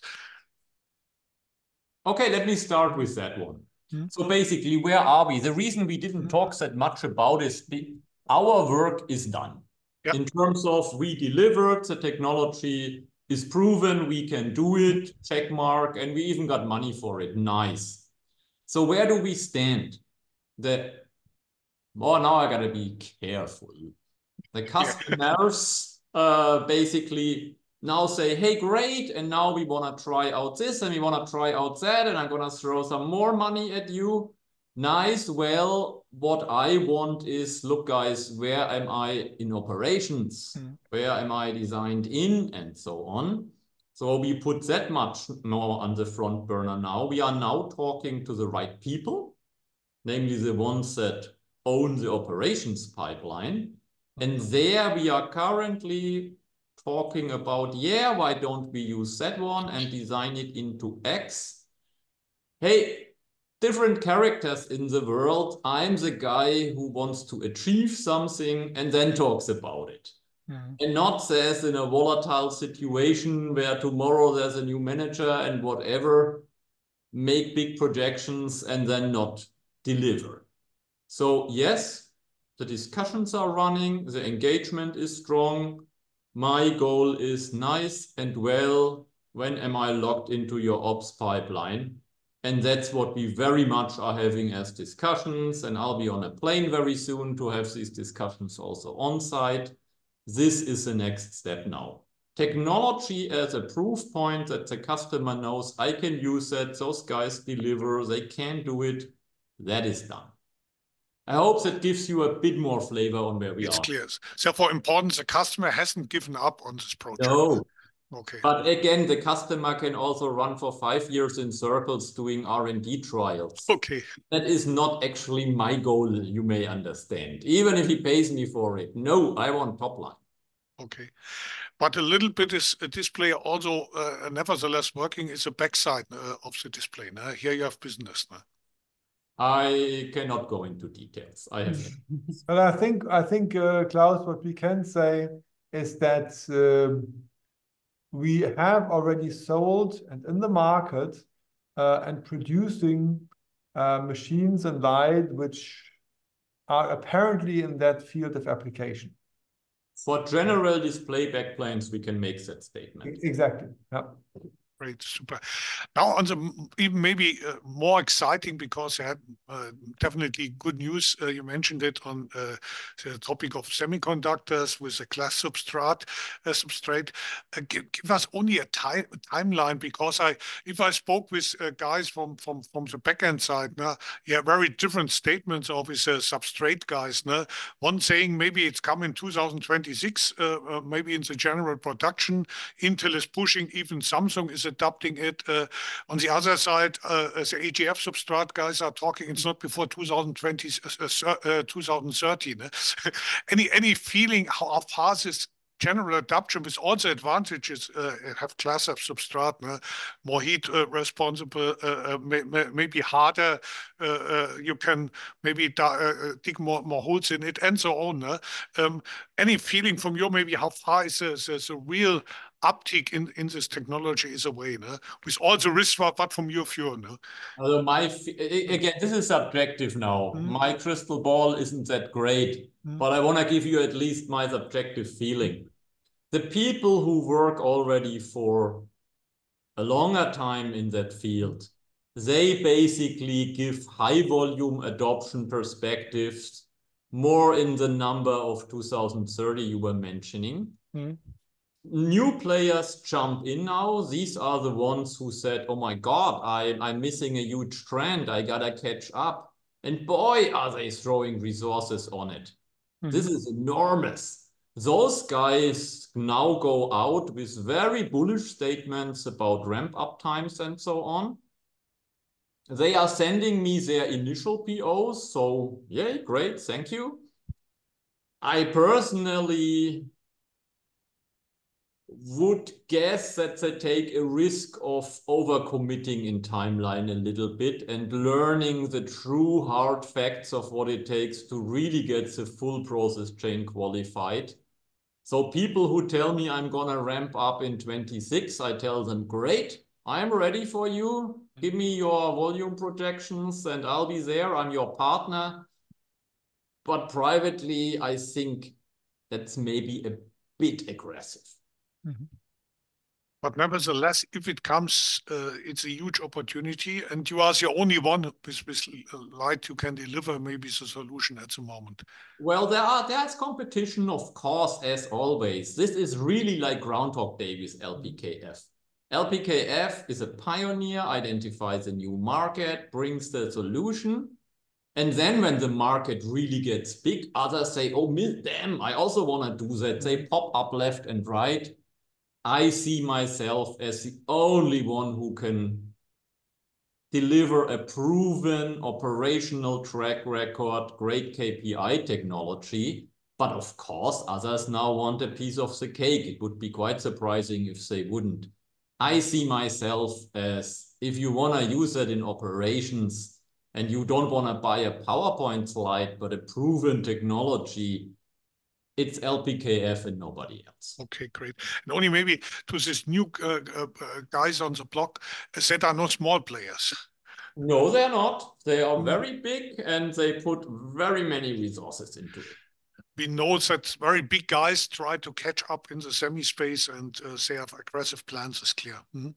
Okay, let me start with that one. Mm-hmm. So basically, where are we? The reason we didn't talk that much about our work is done. Yeah... in terms of we delivered, the technology is proven, we can do it, check mark, and we even got money for it. Nice. So where do we stand? Well, now I've got to be careful. Yeah. The customers basically now say, "Hey, great, and now we want to try out this, and we want to try out that, and I'm going to throw some more money at you." Nice. Well, what I want is, "Look, guys, where am I in operations? Mm. Where am I designed in?" And so on. So we put that much more on the front burner now. We are now talking to the right people, namely the ones that own the operations pipeline. And there we are currently talking about, "Yeah, why don't we use that one and design it into X?" Hey, different characters in the world, I'm the guy who wants to achieve something and then talks about it- Mm... and not say in a volatile situation where tomorrow there's a new manager and whatever, make big projections and then not deliver. So yes, the discussions are running, the engagement is strong. My goal is, "Nice and well, when am I logged into your ops pipeline?" And that's what we very much are having as discussions, and I'll be on a plane very soon to have these discussions also on site. This is the next step now. Technology as a proof point that the customer knows I can use that, those guys deliver, they can do it. That is done. I hope that gives you a bit more flavor on where we are. It's clear. So, importantly, the customer hasn't given up on this project? No. Okay. But again, the customer can also run for five years in circles doing R&D trials. Okay. That is not actually my goal, you may understand. Even if he pays me for it, no, I want top line. Okay. But a little bit is a display also, nevertheless, working is the backside of the display, nah? Here you have business, nah. I cannot go into details. I have- But I think, I think, Klaus, what we can say is that we have already sold and in the market and producing machines and LIDE, which are apparently in that field of application.... for general display backplanes, we can make that statement. Exactly. Yep. Great, super. Now on the maybe more exciting because you had definitely good news, you mentioned it on the topic of semiconductors with a glass substrate, substrate. Give us only a timeline, because I, if I spoke with guys from, from, from the back-end side, now, yeah, very different statements of the substrate guys, no? One saying maybe it's come in 2026, maybe in the general production. Intel is pushing, even Samsung is adopting it. On the other side, as the organic substrate guys are talking, it's not before 2030s. Any feeling how far is this general adoption, with all the advantages have glass substrate, more heat responsible, maybe harder? You can maybe dig more holes in it, and so on. Any feeling from you maybe how far is this a real uptick in this technology is away, with all the risks apart from you know? Well, again, this is subjective now. Mm-hmm. My crystal ball isn't that great- Mm... but I want to give you at least my subjective feeling. The people who work already for a longer time in that field, they basically give high volume adoption perspectives more in the number of 2030 you were mentioning. Mm-hmm. New players jump in now. These are the ones who said, "Oh my God, I'm, I'm missing a huge trend. I gotta catch up," and boy, are they throwing resources on it! Mm. This is enormous. Those guys now go out with very bullish statements about ramp-up times, and so on. They are sending me their initial POs, so yay, great, thank you. I personally would guess that they take a risk of over-committing in timeline a little bit, and learning the true hard facts of what it takes to really get the full process chain qualified. So people who tell me, "I'm gonna ramp up in 2026," I tell them, "Great, I'm ready for you. Give me your volume projections, and I'll be there. I'm your partner." But privately, I think that's maybe a bit aggressive. Mm-hmm. But nevertheless, if it comes, it's a huge opportunity, and you are the only one with LIDE who can deliver maybe the solution at the moment. Well, there is competition, of course, as always. This is really like Groundhog Day with LPKF. LPKF is a pioneer, identifies a new market, brings the solution, and then when the market really gets big, others say, "Oh, damn, I also want to do that." They pop up left and right. I see myself as the only one who can deliver a proven operational track record, great KPI technology, but of course, others now want a piece of the cake. It would be quite surprising if they wouldn't. I see myself as, if you wanna use it in operations, and you don't want to buy a PowerPoint slide, but a proven technology, it's LPKF and nobody else. Okay, great. And only maybe to these new guys on the block that are not small players. No, they're not. Mm. They are very big, and they put very many resources into it. We know that very big guys try to catch up in the semi space, and, they have aggressive plans, is clear. Mm-hmm.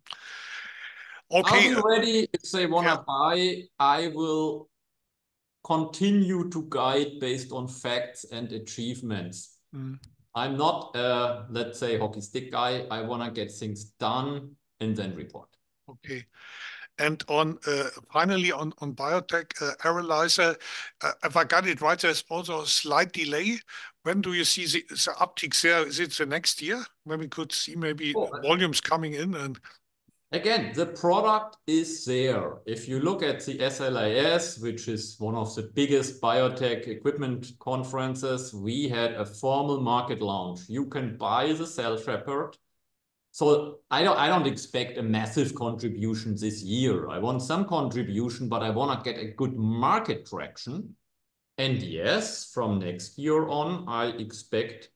Okay- I'm ready if they wanna buy- Yeah... I will continue to guide based on facts and achievements. Mm. I'm not, let's say, a hockey stick guy. I wanna get things done and then report. Okay. And on, finally on biotech analyzer, if I got it right, there's also a slight delay. When do you see the uptick there? Is it the next year when we could see maybe- Well-... volumes coming in and? Again, the product is there. If you look at the SLAS, which is one of the biggest biotech equipment conferences, we had a formal market launch. You can buy the cell trapper. So I don't expect a massive contribution this year. I want some contribution, but I want to get a good market traction. And yes, from next year on, I expect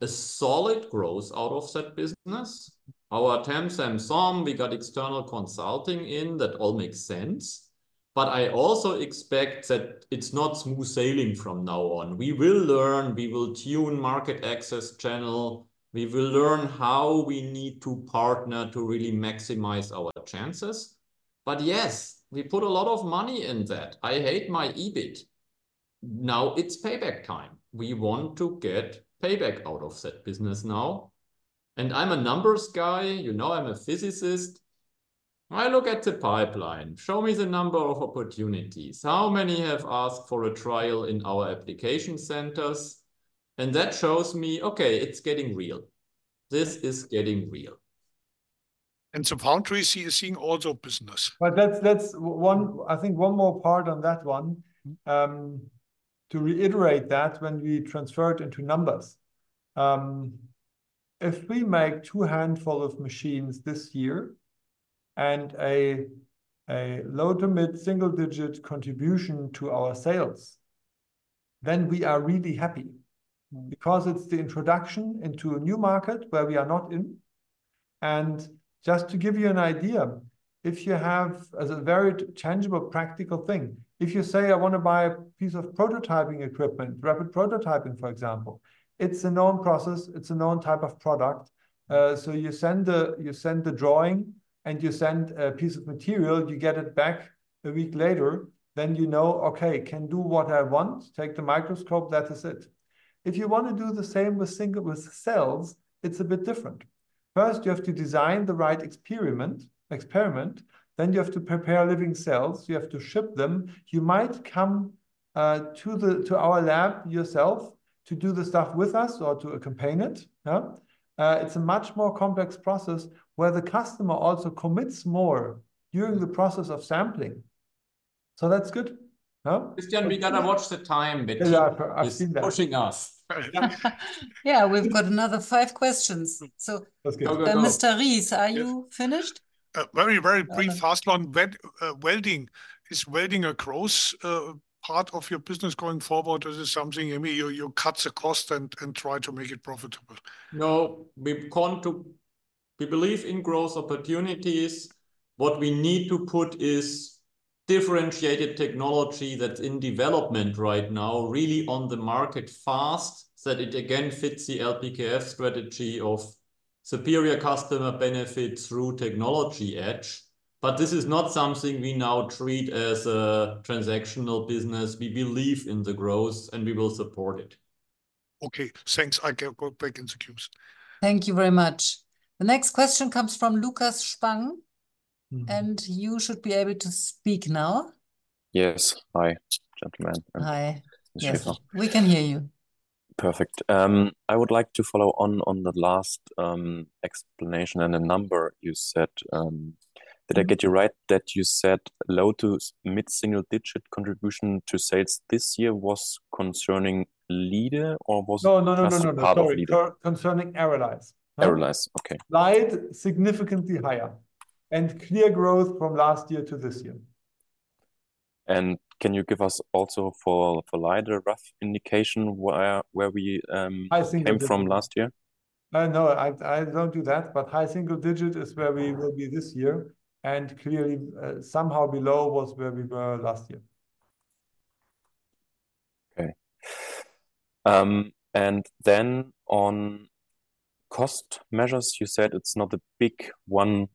a solid growth out of that business. Our team Samsung, we got external consulting in, that all makes sense. But I also expect that it's not smooth sailing from now on. We will learn, we will tune market access channel. We will learn how we need to partner to really maximize our chances. But yes, we put a lot of money in that. I hate my EBIT. Now it's payback time. We want to get payback out of that business now, and I'm a numbers guy. You know, I'm a physicist. I look at the pipeline. Show me the number of opportunities. How many have asked for a trial in our application centers? That shows me, okay, it's getting real. This is getting real. And so Foundry is seeing also business. But that's one, I think one more part on that one. Mm ... to reiterate that when we transfer it into numbers, if we make two handful of machines this year, and a low to mid-single digit contribution to our sales, then we are really happy- Mm... because it's the introduction into a new market where we are not in... and just to give you an idea, if you have, as a very tangible, practical thing, if you say, "I want to buy a piece of prototyping equipment," rapid prototyping, for example, it's a known process, it's a known type of product. So you send the drawing, and you send a piece of material, and you get it back a week later. Then you know, "Okay, can do what I want. Take the microscope, that is it." If you want to do the same with single-cell, it's a bit different. First, you have to design the right experiment, then you have to prepare living cells, you have to ship them. You might come to our lab yourself to do the stuff with us or to accompany it, yeah? It's a much more complex process, where the customer also commits more during the process of sampling, so that's good, huh? Christian, we gotta watch the time a bit. Yeah, I've seen that. It's pushing us. Yeah, we've got another five questions. So- Let's go. Mr. Ries, are you finished? Very, very brief, fast one. Welding, is welding a growth part of your business going forward, or is this something, maybe you, you cut the cost and, and try to make it profitable? No, we've come to—we believe in growth opportunities. What we need to put is differentiated technology that's in development right now, really on the market fast, so that it again fits the LPKF strategy of superior customer benefit through technology edge. But this is not something we now treat as a transactional business. We believe in the growth, and we will support it. Okay, thanks. I can go back in the queues. Thank you very much. The next question comes from Lukas Spang- Mm-hmm. You should be able to speak now. Yes. Hi, gentlemen. Hi. Perfect. Yes, we can hear you. Perfect. I would like to follow on the last explanation and the number you said. Did I get you right, that you said low-to-mid single-digit contribution to sales this year was concerning LIDE, or was it- No, no, no, no, no... just part of LIDE? Sorry, concerning ARRALYZE. ARRALYZE, okay. LIDE, significantly higher, and clear growth from last year to this year. And can you give us also for LIDE a rough indication, where we? High single digit... came from last year? No, I don't do that, but high single digit is where we will be this year, and clearly, somehow below was where we were last year. Okay. And then on cost measures, you said it's not a big one,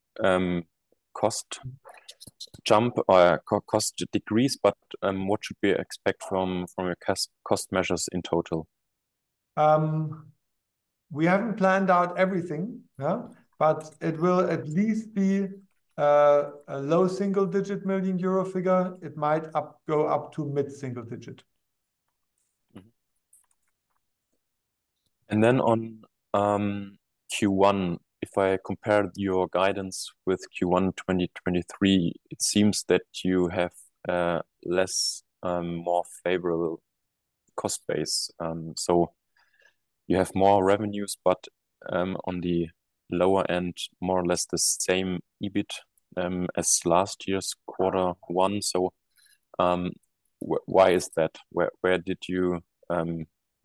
cost jump or cost decrease, but, what should we expect from your cost measures in total? We haven't planned out everything, yeah, but it will at least be a low single-digit million euro figure. It might go up to mid single digit. Mm-hmm. And then on Q1, if I compare your guidance with Q1 2023, it seems that you have more favorable cost base. So you have more revenues, but on the lower end, more or less the same EBIT as last year's quarter one. So why is that? Where, where did you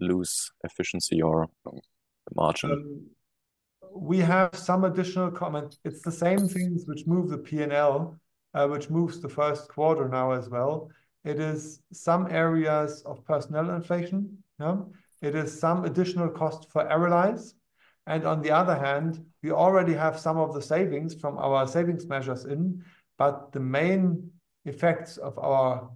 lose efficiency or the margin? We have some additional comment. It's the same things which move the P&L, which moves the first quarter now as well. It is some areas of personnel inflation, yeah. It is some additional cost for ARRALYZE, and on the other hand, we already have some of the savings from our savings measures in, but the main effects of our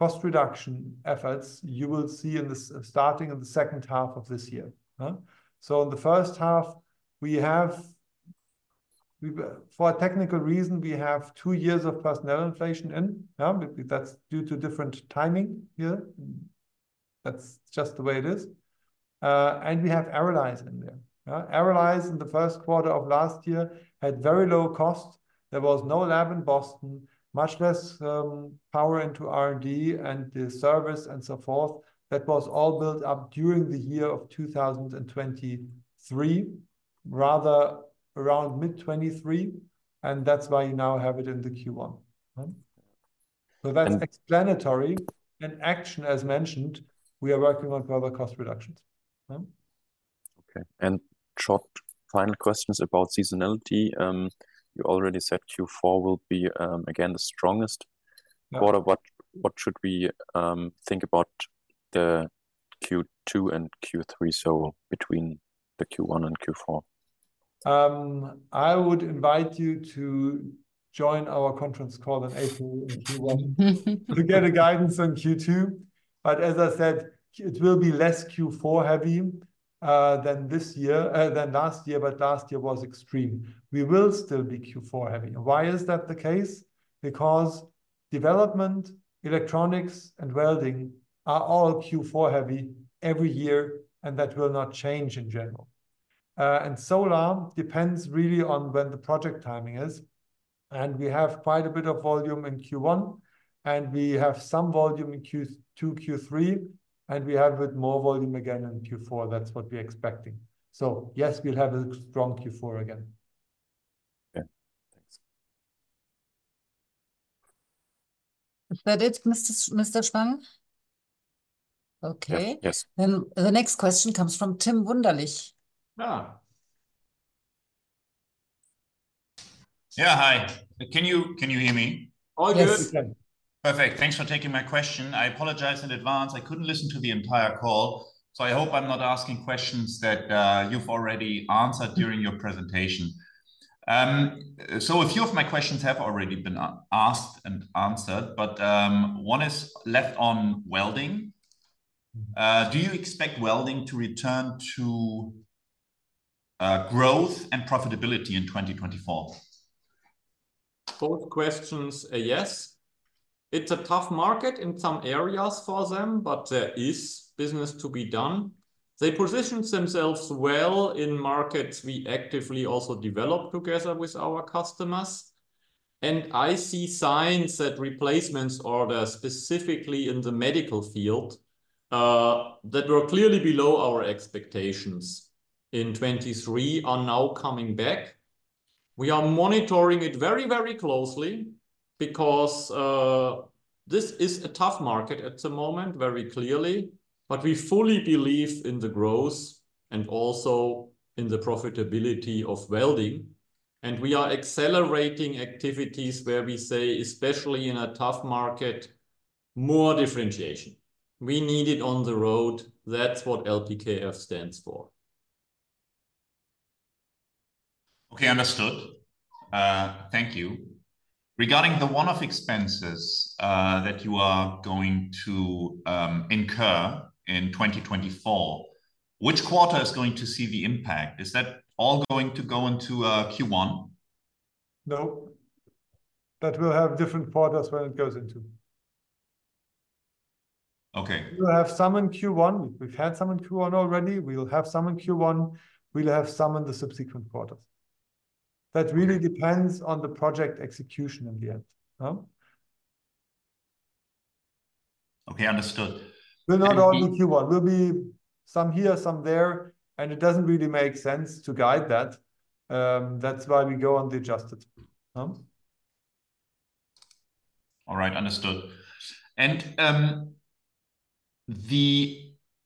cost reduction efforts, you will see in the starting in the second half of this year, huh? So in the first half, we have, for a technical reason, we have two years of personnel inflation in, yeah. That's due to different timing here. That's just the way it is. And we have ARRALYZE in there, yeah? ARRALYZE, in the first quarter of last year, had very low costs. There was no lab in Boston, much less, power into R&D and the service and so forth. That was all built up during the year of 2023, rather around mid 2023, and that's why you now have it in the Q1, huh? Yeah. That's explanatory. In action, as mentioned, we are working on further cost reductions, huh? Okay, and short, final questions about seasonality. You already said Q4 will be, again, the strongest. Yeah. Quarter, what should we think about the Q2 and Q3, so between the Q1 and Q4? I would invite you to join our conference call on April in Q1-... to get a guidance on Q2. But as I said, it will be less Q4 heavy, than this year, than last year, but last year was extreme. We will still be Q4 heavy. And why is that the case? Because development, electronics, and welding are all Q4 heavy every year, and that will not change in general. And solar depends really on when the project timing is, and we have quite a bit of volume in Q1, and we have some volume in Q2, Q3, and we have a bit more volume again in Q4. That's what we're expecting. So yes, we'll have a strong Q4 again. Okay.... Is that it, Mr. Spang? Okay. Yes, yes. The next question comes from Tim Wunderlich. Hi. Yeah, hi. Can you, can you hear me? All good. Yes. Perfect. Thanks for taking my question. I apologize in advance, I couldn't listen to the entire call, so I hope I'm not asking questions that you've already answered during your presentation. So a few of my questions have already been asked and answered, but one is left on welding. Do you expect welding to return to growth and profitability in 2024? Both questions, yes. It's a tough market in some areas for them, but there is business to be done. They positioned themselves well in markets we actively also developed together with our customers, and I see signs that replacements orders, specifically in the medical field, that were clearly below our expectations in 2023, are now coming back. We are monitoring it very, very closely because, this is a tough market at the moment, very clearly, but we fully believe in the growth and also in the profitability of welding. And we are accelerating activities where we say, especially in a tough market, more differentiation. We need it on the road. That's what LPKF stands for. Okay, understood. Thank you. Regarding the one-off expenses that you are going to incur in 2024, which quarter is going to see the impact? Is that all going to go into Q1? No, that will have different quarters when it goes into. Okay. We will have some in Q1. We've had some in Q1 already. We'll have some in Q1. We'll have some in the subsequent quarters. That really depends on the project execution in the end, huh? Okay, understood. And the- Will not all be Q1. Will be some here, some there, and it doesn't really make sense to guide that. That's why we go on the adjusted, huh? All right, understood.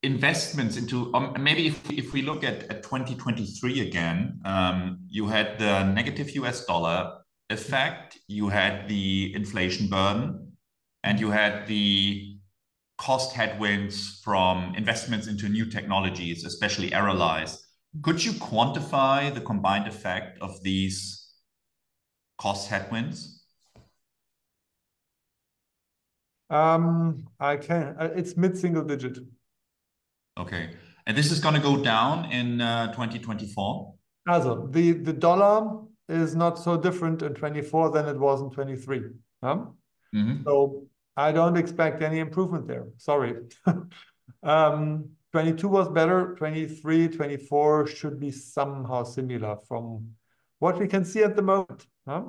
Maybe if we look at 2023 again, you had the negative U.S. dollar effect, you had the inflation burden, and you had the cost headwinds from investments into new technologies, especially ARRALYZE. Could you quantify the combined effect of these cost headwinds? It's mid-single digit. Okay, and this is gonna go down in 2024? Also, the US dollar is not so different in 2024 than it was in 2023, huh? Mm-hmm. So I don't expect any improvement there. Sorry. '2022 was better. '2023, '2024 should be somehow similar from what we can see at the moment, huh?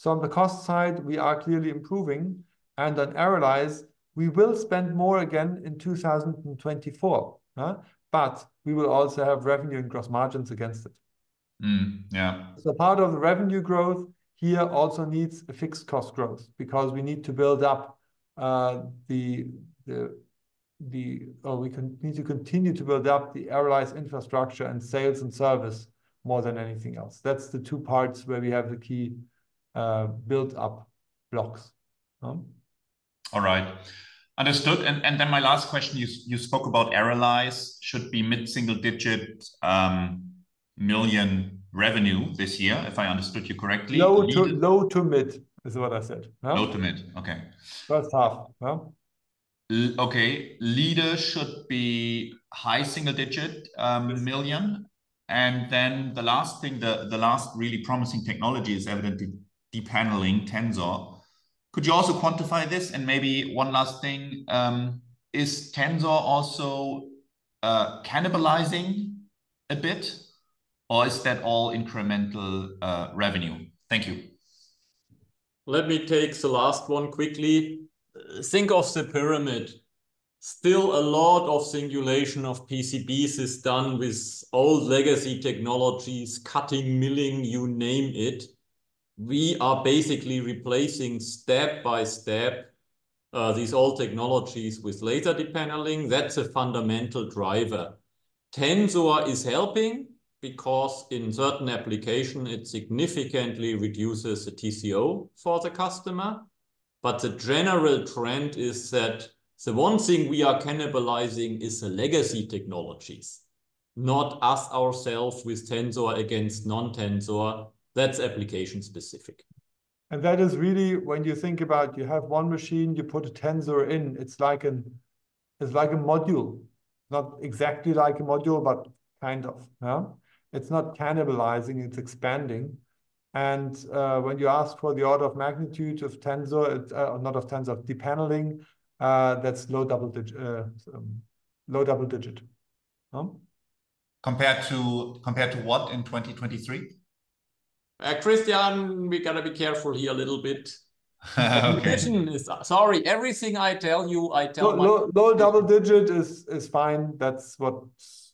So on the cost side, we are clearly improving, and on ARRALYZE, we will spend more again in 2024, huh? But we will also have revenue and gross margins against it. Mm, yeah. So part of the revenue growth here also needs a fixed cost growth, because we need to build up. Well, we need to continue to build up the ARRALYZE infrastructure and sales and service more than anything else. That's the two parts where we have the key built up blocks, huh? All right. Understood. And then my last question, you spoke about ARRALYZE should be mid-single-digit euro million revenue this year, if I understood you correctly. You- Low to, low to mid, is what I said, huh? Low to mid, okay. First half, huh? Okay. LIDE should be high single-digit euro million. And then the last thing, the last really promising technology is evidently depaneling, Tensor. Could you also quantify this? And maybe one last thing, is Tensor also cannibalizing a bit, or is that all incremental revenue? Thank you. Let me take the last one quickly. Think of the pyramid. Still a lot of singulation of PCBs is done with old legacy technologies, cutting, milling, you name it. We are basically replacing step by step these old technologies with laser depaneling. That's a fundamental driver. Tensor is helping because in certain application, it significantly reduces the TCO for the customer. But the general trend is that the one thing we are cannibalizing is the legacy technologies, not us ourselves with Tensor against non-Tensor. That's application specific. And that is really, when you think about, you have one machine, you put a Tensor in, it's like an... It's like a module. Not exactly like a module, but kind of, huh? It's not cannibalizing, it's expanding. And, when you ask for the order of magnitude of Tensor, it not of Tensor, depaneling, that's low double digit, huh? Compared to, compared to what in 2023? Christian, we gotta be careful here a little bit. Okay. Sorry, everything I tell you. Low double digit is fine. That's what's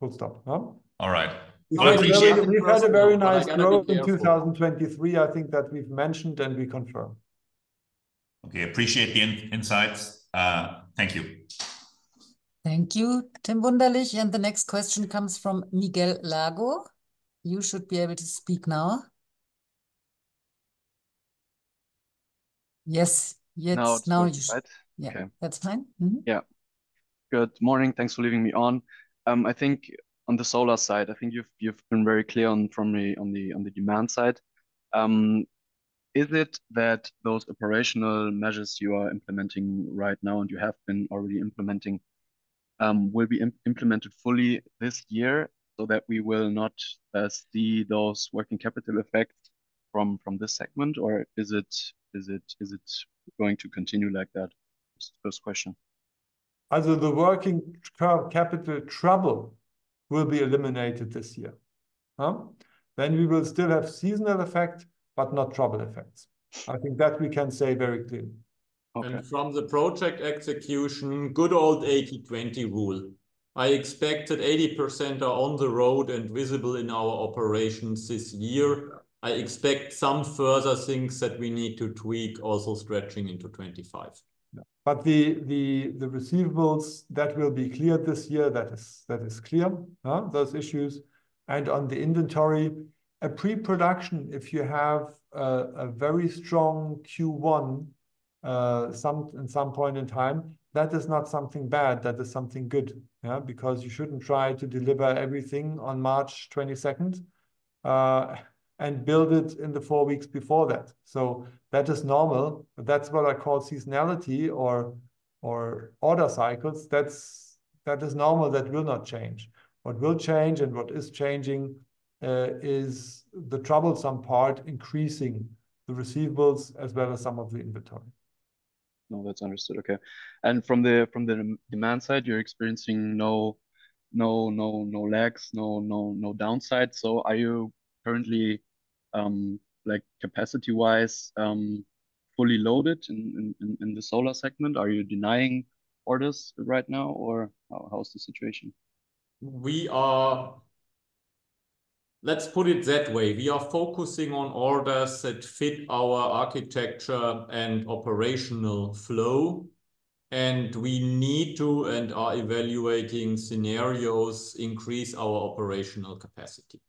full stop, huh? All right. Well, I appreciate- We've had a very nice growth in 2023, I think, that we've mentioned and we confirm. Okay, appreciate the insights. Thank you. Thank you, Tim Wunderlich. The next question comes from Miguel Lago. You should be able to speak now. Yes, yes, now you- Now it's right? Yeah. Okay. That's fine. Mm-hmm. Yeah. Good morning, thanks for leaving me on. I think on the solar side, I think you've, you've been very clear on, for me, on the, on the demand side. Is it that those operational measures you are implementing right now, and you have been already implementing, will be implemented fully this year so that we will not see those working capital effects from, from this segment? Or is it, is it, is it going to continue like that? It's the first question. As of the working capital trouble will be eliminated this year, huh? Then we will still have seasonal effect, but not trouble effects. I think that we can say very clear. Okay. From the project execution, good old 80/20 rule. I expect that 80% are on the road and visible in our operations this year. Yeah. I expect some further things that we need to tweak, also stretching into 2025. Yeah. But the receivables, that will be cleared this year, that is clear, huh? Those issues. And on the inventory, a pre-production, if you have a very strong Q1, in some point in time, that is not something bad, that is something good. Yeah? Because you shouldn't try to deliver everything on March 22nd and build it in the four weeks before that. So that is normal. That's what I call seasonality or order cycles. That is normal, that will not change. What will change and what is changing is the troublesome part, increasing the receivables as well as some of the inventory. No, that's understood. Okay. And from the demand side, you're experiencing no lags, no downsides? So are you currently, like capacity-wise, fully loaded in the solar segment? Are you denying orders right now, or how is the situation? Let's put it that way, we are focusing on orders that fit our architecture and operational flow, and we need to, and are evaluating scenarios, increase our operational capacity.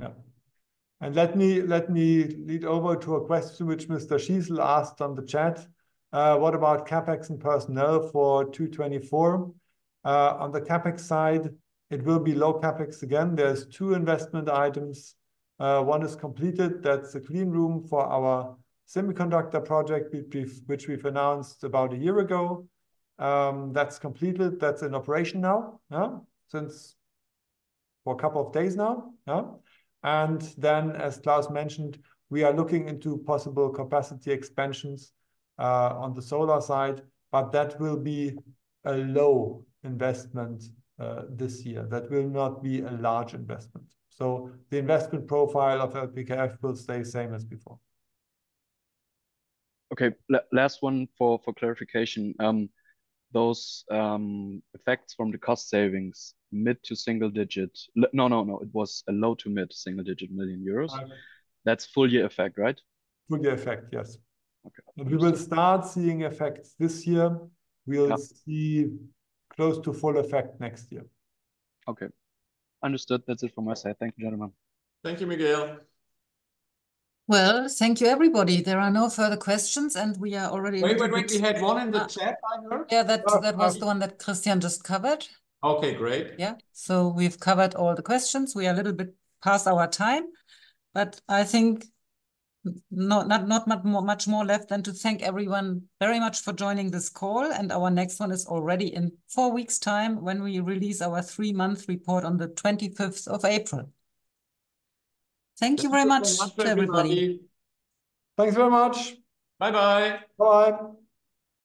Yeah. And let me lead over to a question which Mr. Schiesl asked on the chat. "What about CapEx and personnel for 2024?" On the CapEx side, it will be low CapEx again. There's two investment items. One is completed, that's a clean room for our semiconductor project, which we've announced about a year ago. That's completed, that's in operation now, yeah? Since for a couple of days now, yeah. And then, as Klaus mentioned, we are looking into possible capacity expansions on the solar side, but that will be a low investment this year. That will not be a large investment. So the investment profile of LPKF will stay the same as before. Okay. Last one for, for clarification. Those effects from the cost savings, mid- to single-digit... No, no, no, it was a low- to mid-single-digit million euro. Uh- That's full year effect, right? Full year effect, yes. Okay. We will start seeing effects this year. Yeah. We'll see close to full effect next year. Okay. Understood. That's it from my side. Thank you, gentlemen. Thank you, Miguel. Well, thank you, everybody. There are no further questions, and we are already- Wait, but we had one in the chat, I heard. Yeah, that, that was the one that Christian just covered. Okay, great. Yeah. So we've covered all the questions. We are a little bit past our time, but I think not much more left than to thank everyone very much for joining this call, and our next one is already in four weeks' time, when we release our three-month report on the 25th of April. Thank you very much, everybody. Thanks very much. Bye-bye. Bye.